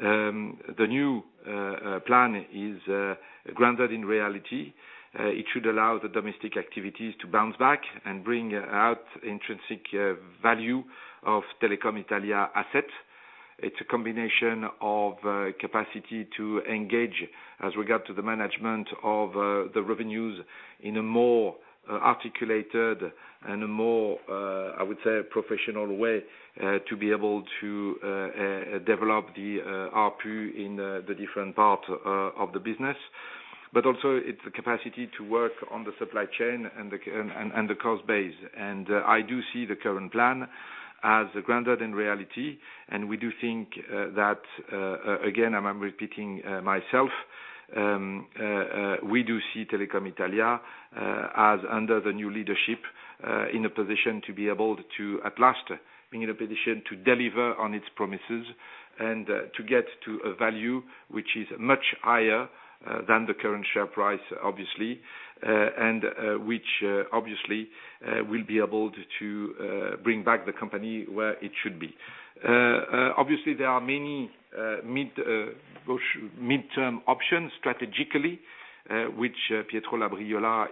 The new plan is, granted in reality, it should allow the domestic activities to bounce back and bring out intrinsic value of Telecom Italia asset. It's a combination of capacity to engage as regard to the management of the revenues in a more articulated and a more, I would say, professional way, to be able to develop the ARPU in the different part of the business. But also it's a capacity to work on the supply chain and the cost base. I do see the current plan as grounded in reality. We do think that again, I'm repeating myself, we do see Telecom Italia as under the new leadership in a position to deliver on its promises and to get to a value which is much higher than the current share price, obviously, which obviously will be able to bring back the company where it should be. Obviously, there are many midterm options strategically which Pietro Labriola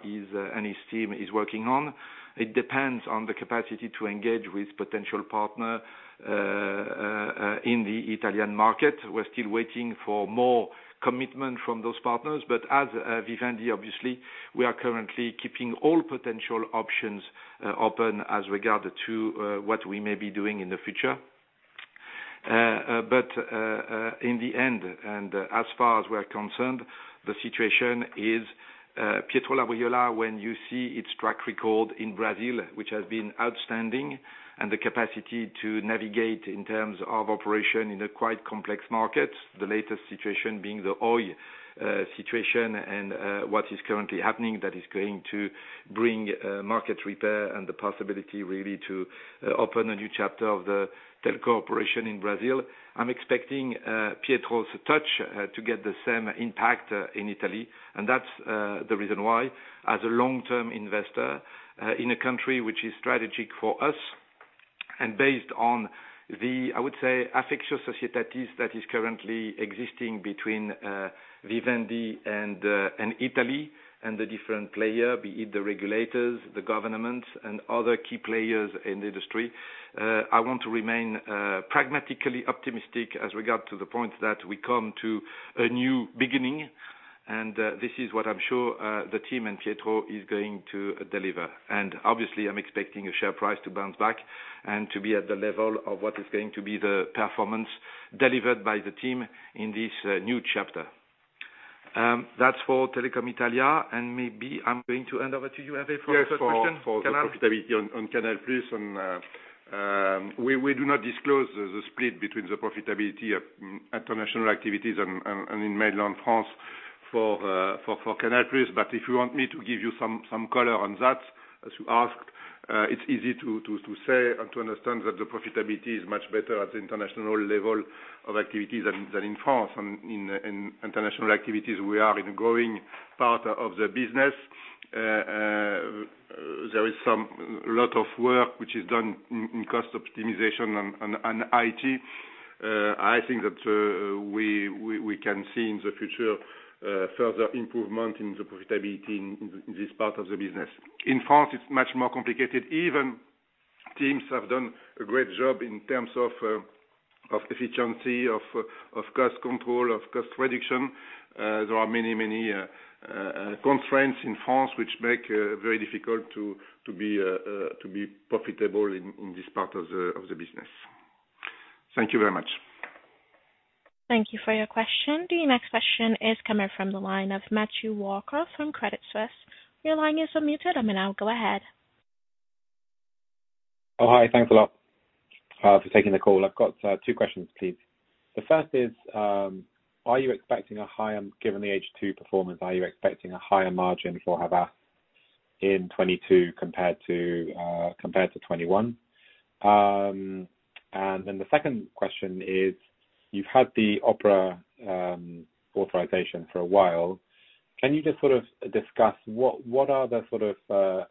and his team are working on. It depends on the capacity to engage with potential partner in the Italian market. We're still waiting for more commitment from those partners. Vivendi obviously, we are currently keeping all potential options open as regards to what we may be doing in the future. In the end, and as far as we're concerned, the situation is Pietro Labriola when you see his track record in Brazil, which has been outstanding, and the capacity to navigate in terms of operation in a quite complex market. The latest situation being the Oi situation and what is currently happening that is going to bring market repair and the possibility really to open a new chapter of the telco operation in Brazil. I'm expecting Pietro's touch to get the same impact in Italy. That's the reason why as a long-term investor in a country which is strategic for us and based on the, I would say, affectio societatis that is currently existing between Vivendi and Italy and the different players, be it the regulators, the governments and other key players in the industry. I want to remain pragmatically optimistic as regards the point that we come to a new beginning. This is what I'm sure the team and Pietro is going to deliver. Obviously I'm expecting a share price to bounce back and to be at the level of what is going to be the performance delivered by the team in this new chapter. That's for Telecom Italia, and maybe I'm going to hand over to you, Hervé for- Yes. The third question. Canal. For the profitability on Canal+, we do not disclose the split between the profitability at international activities and in mainland France for Canal+. If you want me to give you some color on that, as you asked, it's easy to say and to understand that the profitability is much better at the international level of activities than in France. In international activities we are in growing part of the business. There is a lot of work which is done in cost optimization and IT. I think that we can see in the future further improvement in the profitability in this part of the business. In France it's much more complicated. Even teams have done a great job in terms of efficiency, cost control, cost reduction. There are many constraints in France which make very difficult to be profitable in this part of the business. Thank you very much. Thank you for your question. The next question is coming from the line of Matthew Walker from Credit Suisse. Your line is unmuted. I mean, now go ahead. Oh, hi. Thanks a lot for taking the call. I've got two questions, please. The first is, are you expecting a higher, given the H2 performance, are you expecting a higher margin for Havas in 2022 compared to 2021? The second question is, you've had the OPRA authorization for a while. Can you just sort of discuss what are the sort of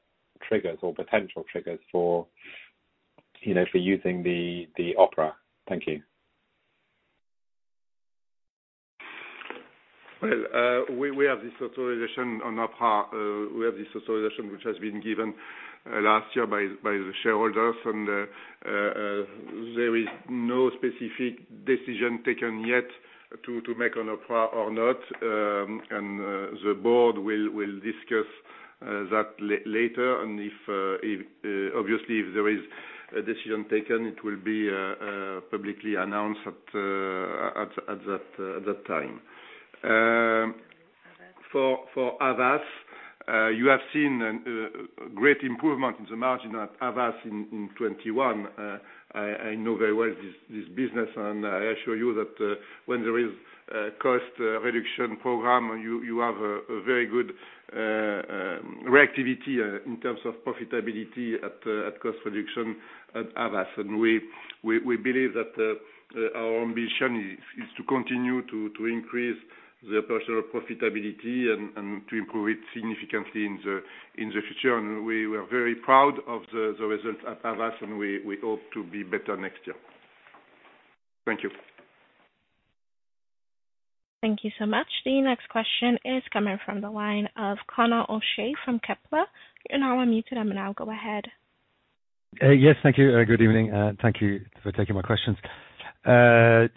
triggers or potential triggers for, you know, for using the OPRA? Thank you. Well, we have this authorization on our part. We have this authorization which has been given last year by the shareholders. There is no specific decision taken yet to make on OPRA or not. The board will discuss that later. If obviously there is a decision taken, it will be publicly announced at that time. For Havas, you have seen an great improvement in the margin at Havas in 2021. I know very well this business, and I assure you that when there is a cost reduction program, you have a very good reactivity in terms of profitability at cost reduction at Havas. We believe that our ambition is to continue to increase the operational profitability and to improve it significantly in the future. We were very proud of the results at Havas, and we hope to be better next year. Thank you. Thank you so much. The next question is coming from the line of Conor O'Shea from Kepler. You're now unmuted, and now go ahead. Yes, thank you. Good evening, and thank you for taking my questions. A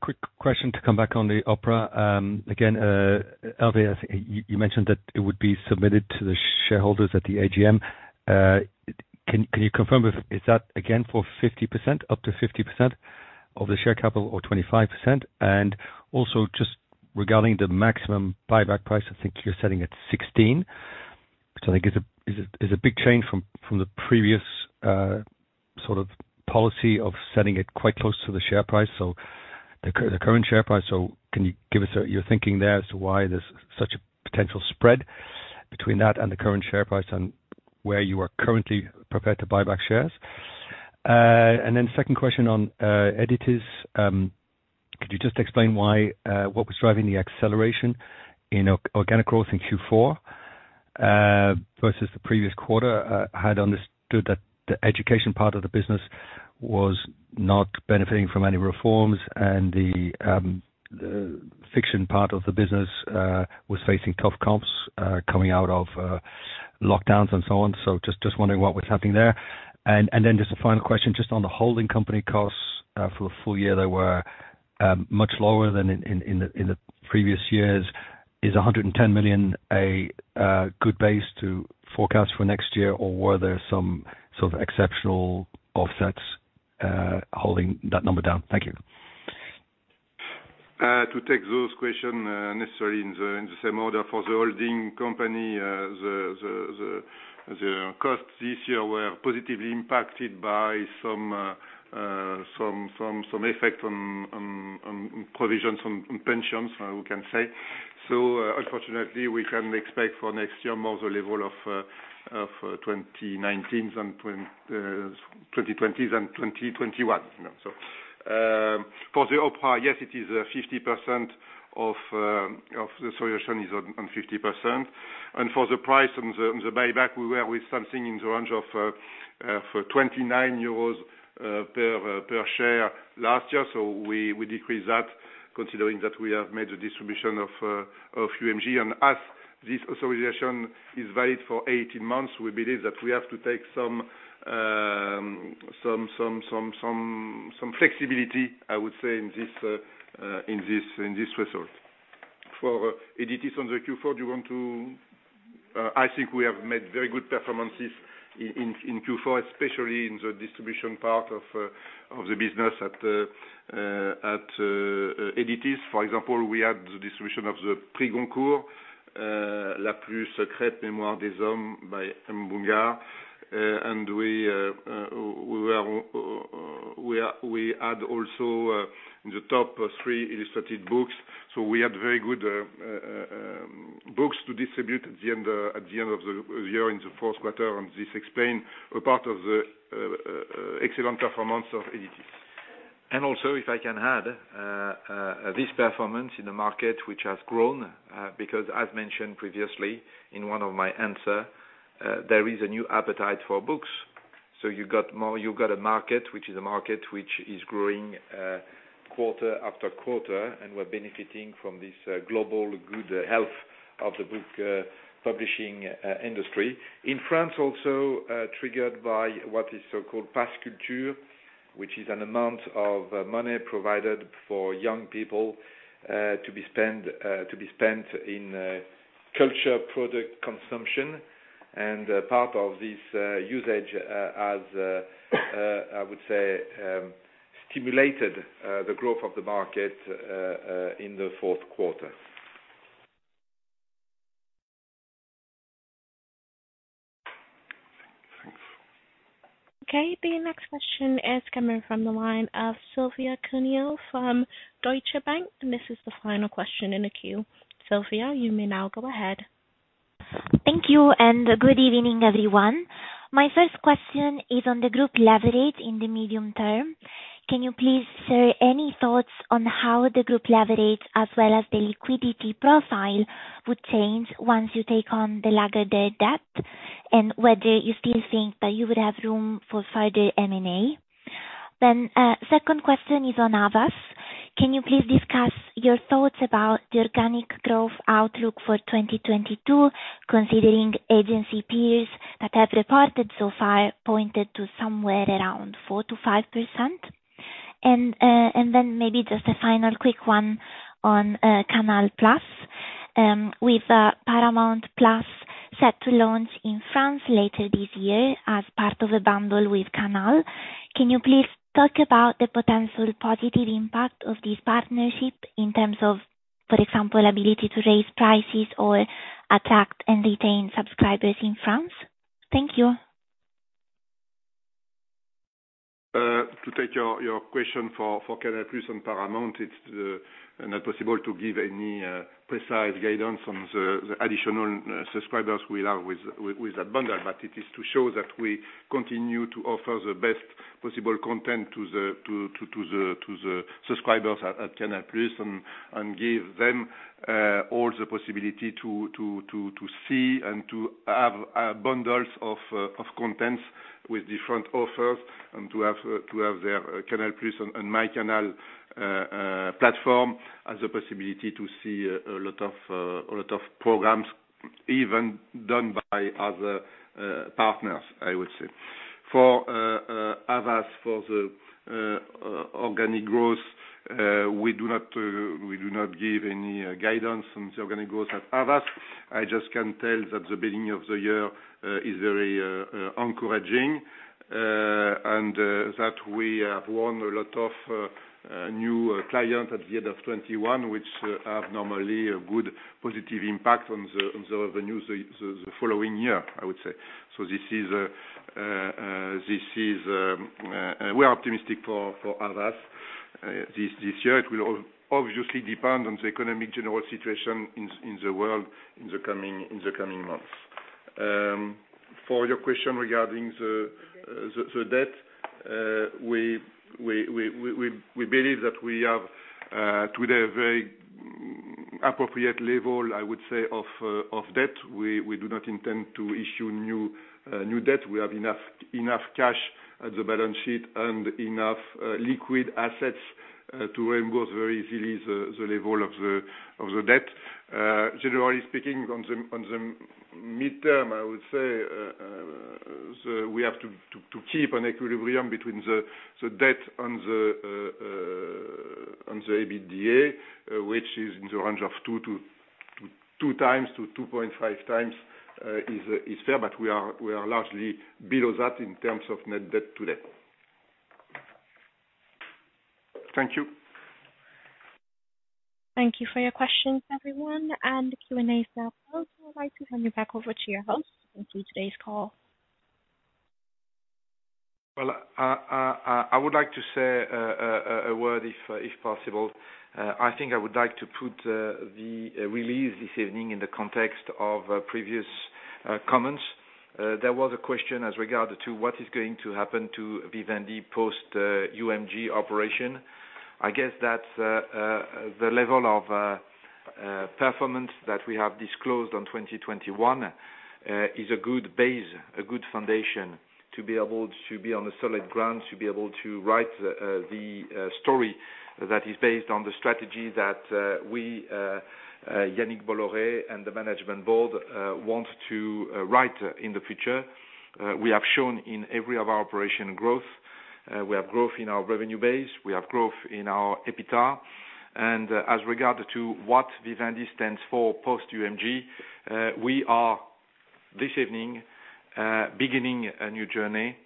quick question to come back on the OPRA. Again, earlier you mentioned that it would be submitted to the shareholders at the AGM. Can you confirm if that is again for 50%, up to 50% of the share capital or 25%? And also just regarding the maximum buyback price, I think you're sitting at 16, which I think is a big change from the previous sort of policy of setting it quite close to the share price, so the current share price. Can you give us your thinking there as to why there's such a potential spread between that and the current share price and where you are currently prepared to buy back shares? Then second question on Editis. Could you just explain why what was driving the acceleration in organic growth in Q4 versus the previous quarter? I had understood that the education part of the business was not benefiting from any reforms and the fiction part of the business was facing tough comps coming out of lockdowns and so on. Just wondering what was happening there. Then just a final question just on the holding company costs for the full year, they were much lower than in the previous years? Is 110 million a good base to forecast for next year, or were there some sort of exceptional offsets holding that number down? Thank you. To take those questions not necessarily in the same order for the holding company, the costs this year were positively impacted by some effect on provisions on pensions, we can say. Unfortunately, we can expect for next year more like the levels of 2019, 2020 and 2021. For the OPRA, yes, it is 50% of the solution is on 50%. For the price on the buyback, we were with something in the range of 29 euros per share last year. We decreased that considering that we have made the distribution of UMG. As this authorization is valid for 18 months, we believe that we have to take some flexibility, I would say, in this result. For Editis in Q4, I think we have made very good performances in Q4, especially in the distribution part of the book business at Editis. For example, we had the distribution of the Prix Goncourt, La plus secrète mémoire des hommes by Mohamed Mbougar Sarr. We had also the top three illustrated books. We had very good books to distribute at the end of the year in the fourth quarter and this explains a part of the excellent performance of Editis. If I can add, this performance in the market, which has grown, because as mentioned previously in one of my answers, there is a new appetite for books. So you got more, you got a market which is growing, quarter after quarter. We're benefiting from this global good health of the book publishing industry. In France also, triggered by what is so-called Pass Culture, which is an amount of money provided for young people to be spent in culture product consumption. A part of this usage, as I would say, stimulated the growth of the market in the fourth quarter. Thanks. Okay. The next question is coming from the line of Silvia Cuneo from Deutsche Bank, and this is the final question in the queue. Silvia, you may now go ahead. Thank you, and good evening, everyone. My first question is on the group leverage in the medium term. Can you please share any thoughts on how the group leverage as well as the liquidity profile would change once you take on the Lagardère debt, and whether you still think that you would have room for further M&A? Second question is on Havas. Can you please discuss your thoughts about the organic growth outlook for 2022, considering agency peers that have reported so far pointed to somewhere around 4%-5%? Maybe just a final quick one on Canal+. With Paramount+ set to launch in France later this year as part of a bundle with Canal. Can you please talk about the potential positive impact of this partnership in terms of, for example, ability to raise prices or attract and retain subscribers in France? Thank you. To take your question for Canal+ and Paramount, it's not possible to give any precise guidance on the additional subscribers we have with that bundle. It is to show that we continue to offer the best possible content to the subscribers at Canal+ and give them all the possibility to see and to have bundles of contents with different offers and to have their Canal+ and myCanal platform as a possibility to see a lot of programs even done by other partners, I would say. For Havas, for the organic growth, we do not give any guidance on the organic growth at Havas. I just can tell that the beginning of the year is very encouraging, and that we have won a lot of new client at the end of 2021, which have normally a good positive impact on the revenue the following year, I would say. We are optimistic for Havas this year. It will obviously depend on the economic general situation in the world in the coming months. For your question regarding the debt, we believe that we have today a very appropriate level, I would say, of debt. We do not intend to issue new debt. We have enough cash at the balance sheet and enough liquid assets to reimburse very easily the level of the debt. Generally speaking, on the midterm, I would say we have to keep an equilibrium between the debt and the EBITDA, which is in the range of 2x-2.5x, is fair, but we are largely below that in terms of net debt to EBITDA. Thank you. Thank you for your questions, everyone. The Q&A is now closed. I'd like to hand it back over to your host to conclude today's call. Well, I would like to say a word if possible. I think I would like to put the release this evening in the context of previous comments. There was a question as regards to what is going to happen to Vivendi post UMG operation. I guess that the level of performance that we have disclosed on 2021 is a good base, a good foundation to be able to be on a solid ground, to be able to write the story that is based on the strategy that we, Yannick Bolloré and the Management Board, want to write in the future. We have shown in every one of our operations growth. We have growth in our revenue base, we have growth in our EBITDA. As regards what Vivendi stands for post UMG, we are, this evening, beginning a new journey,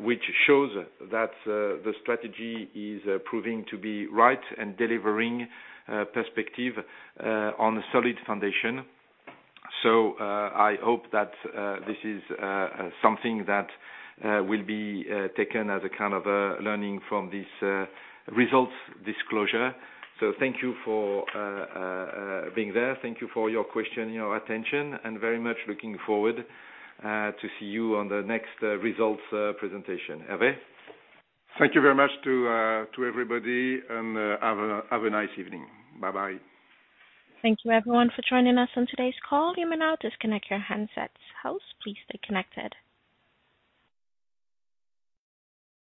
which shows that the strategy is proving to be right and delivering perspective on a solid foundation. I hope that this is something that will be taken as a kind of a learning from this results disclosure. Thank you for being there. Thank you for your question, your attention, and very much looking forward to see you on the next results presentation. Hervé? Thank you very much to everybody, and have a nice evening. Bye-bye. Thank you everyone for joining us on today's call. You may now disconnect your handsets. Host, please stay connected.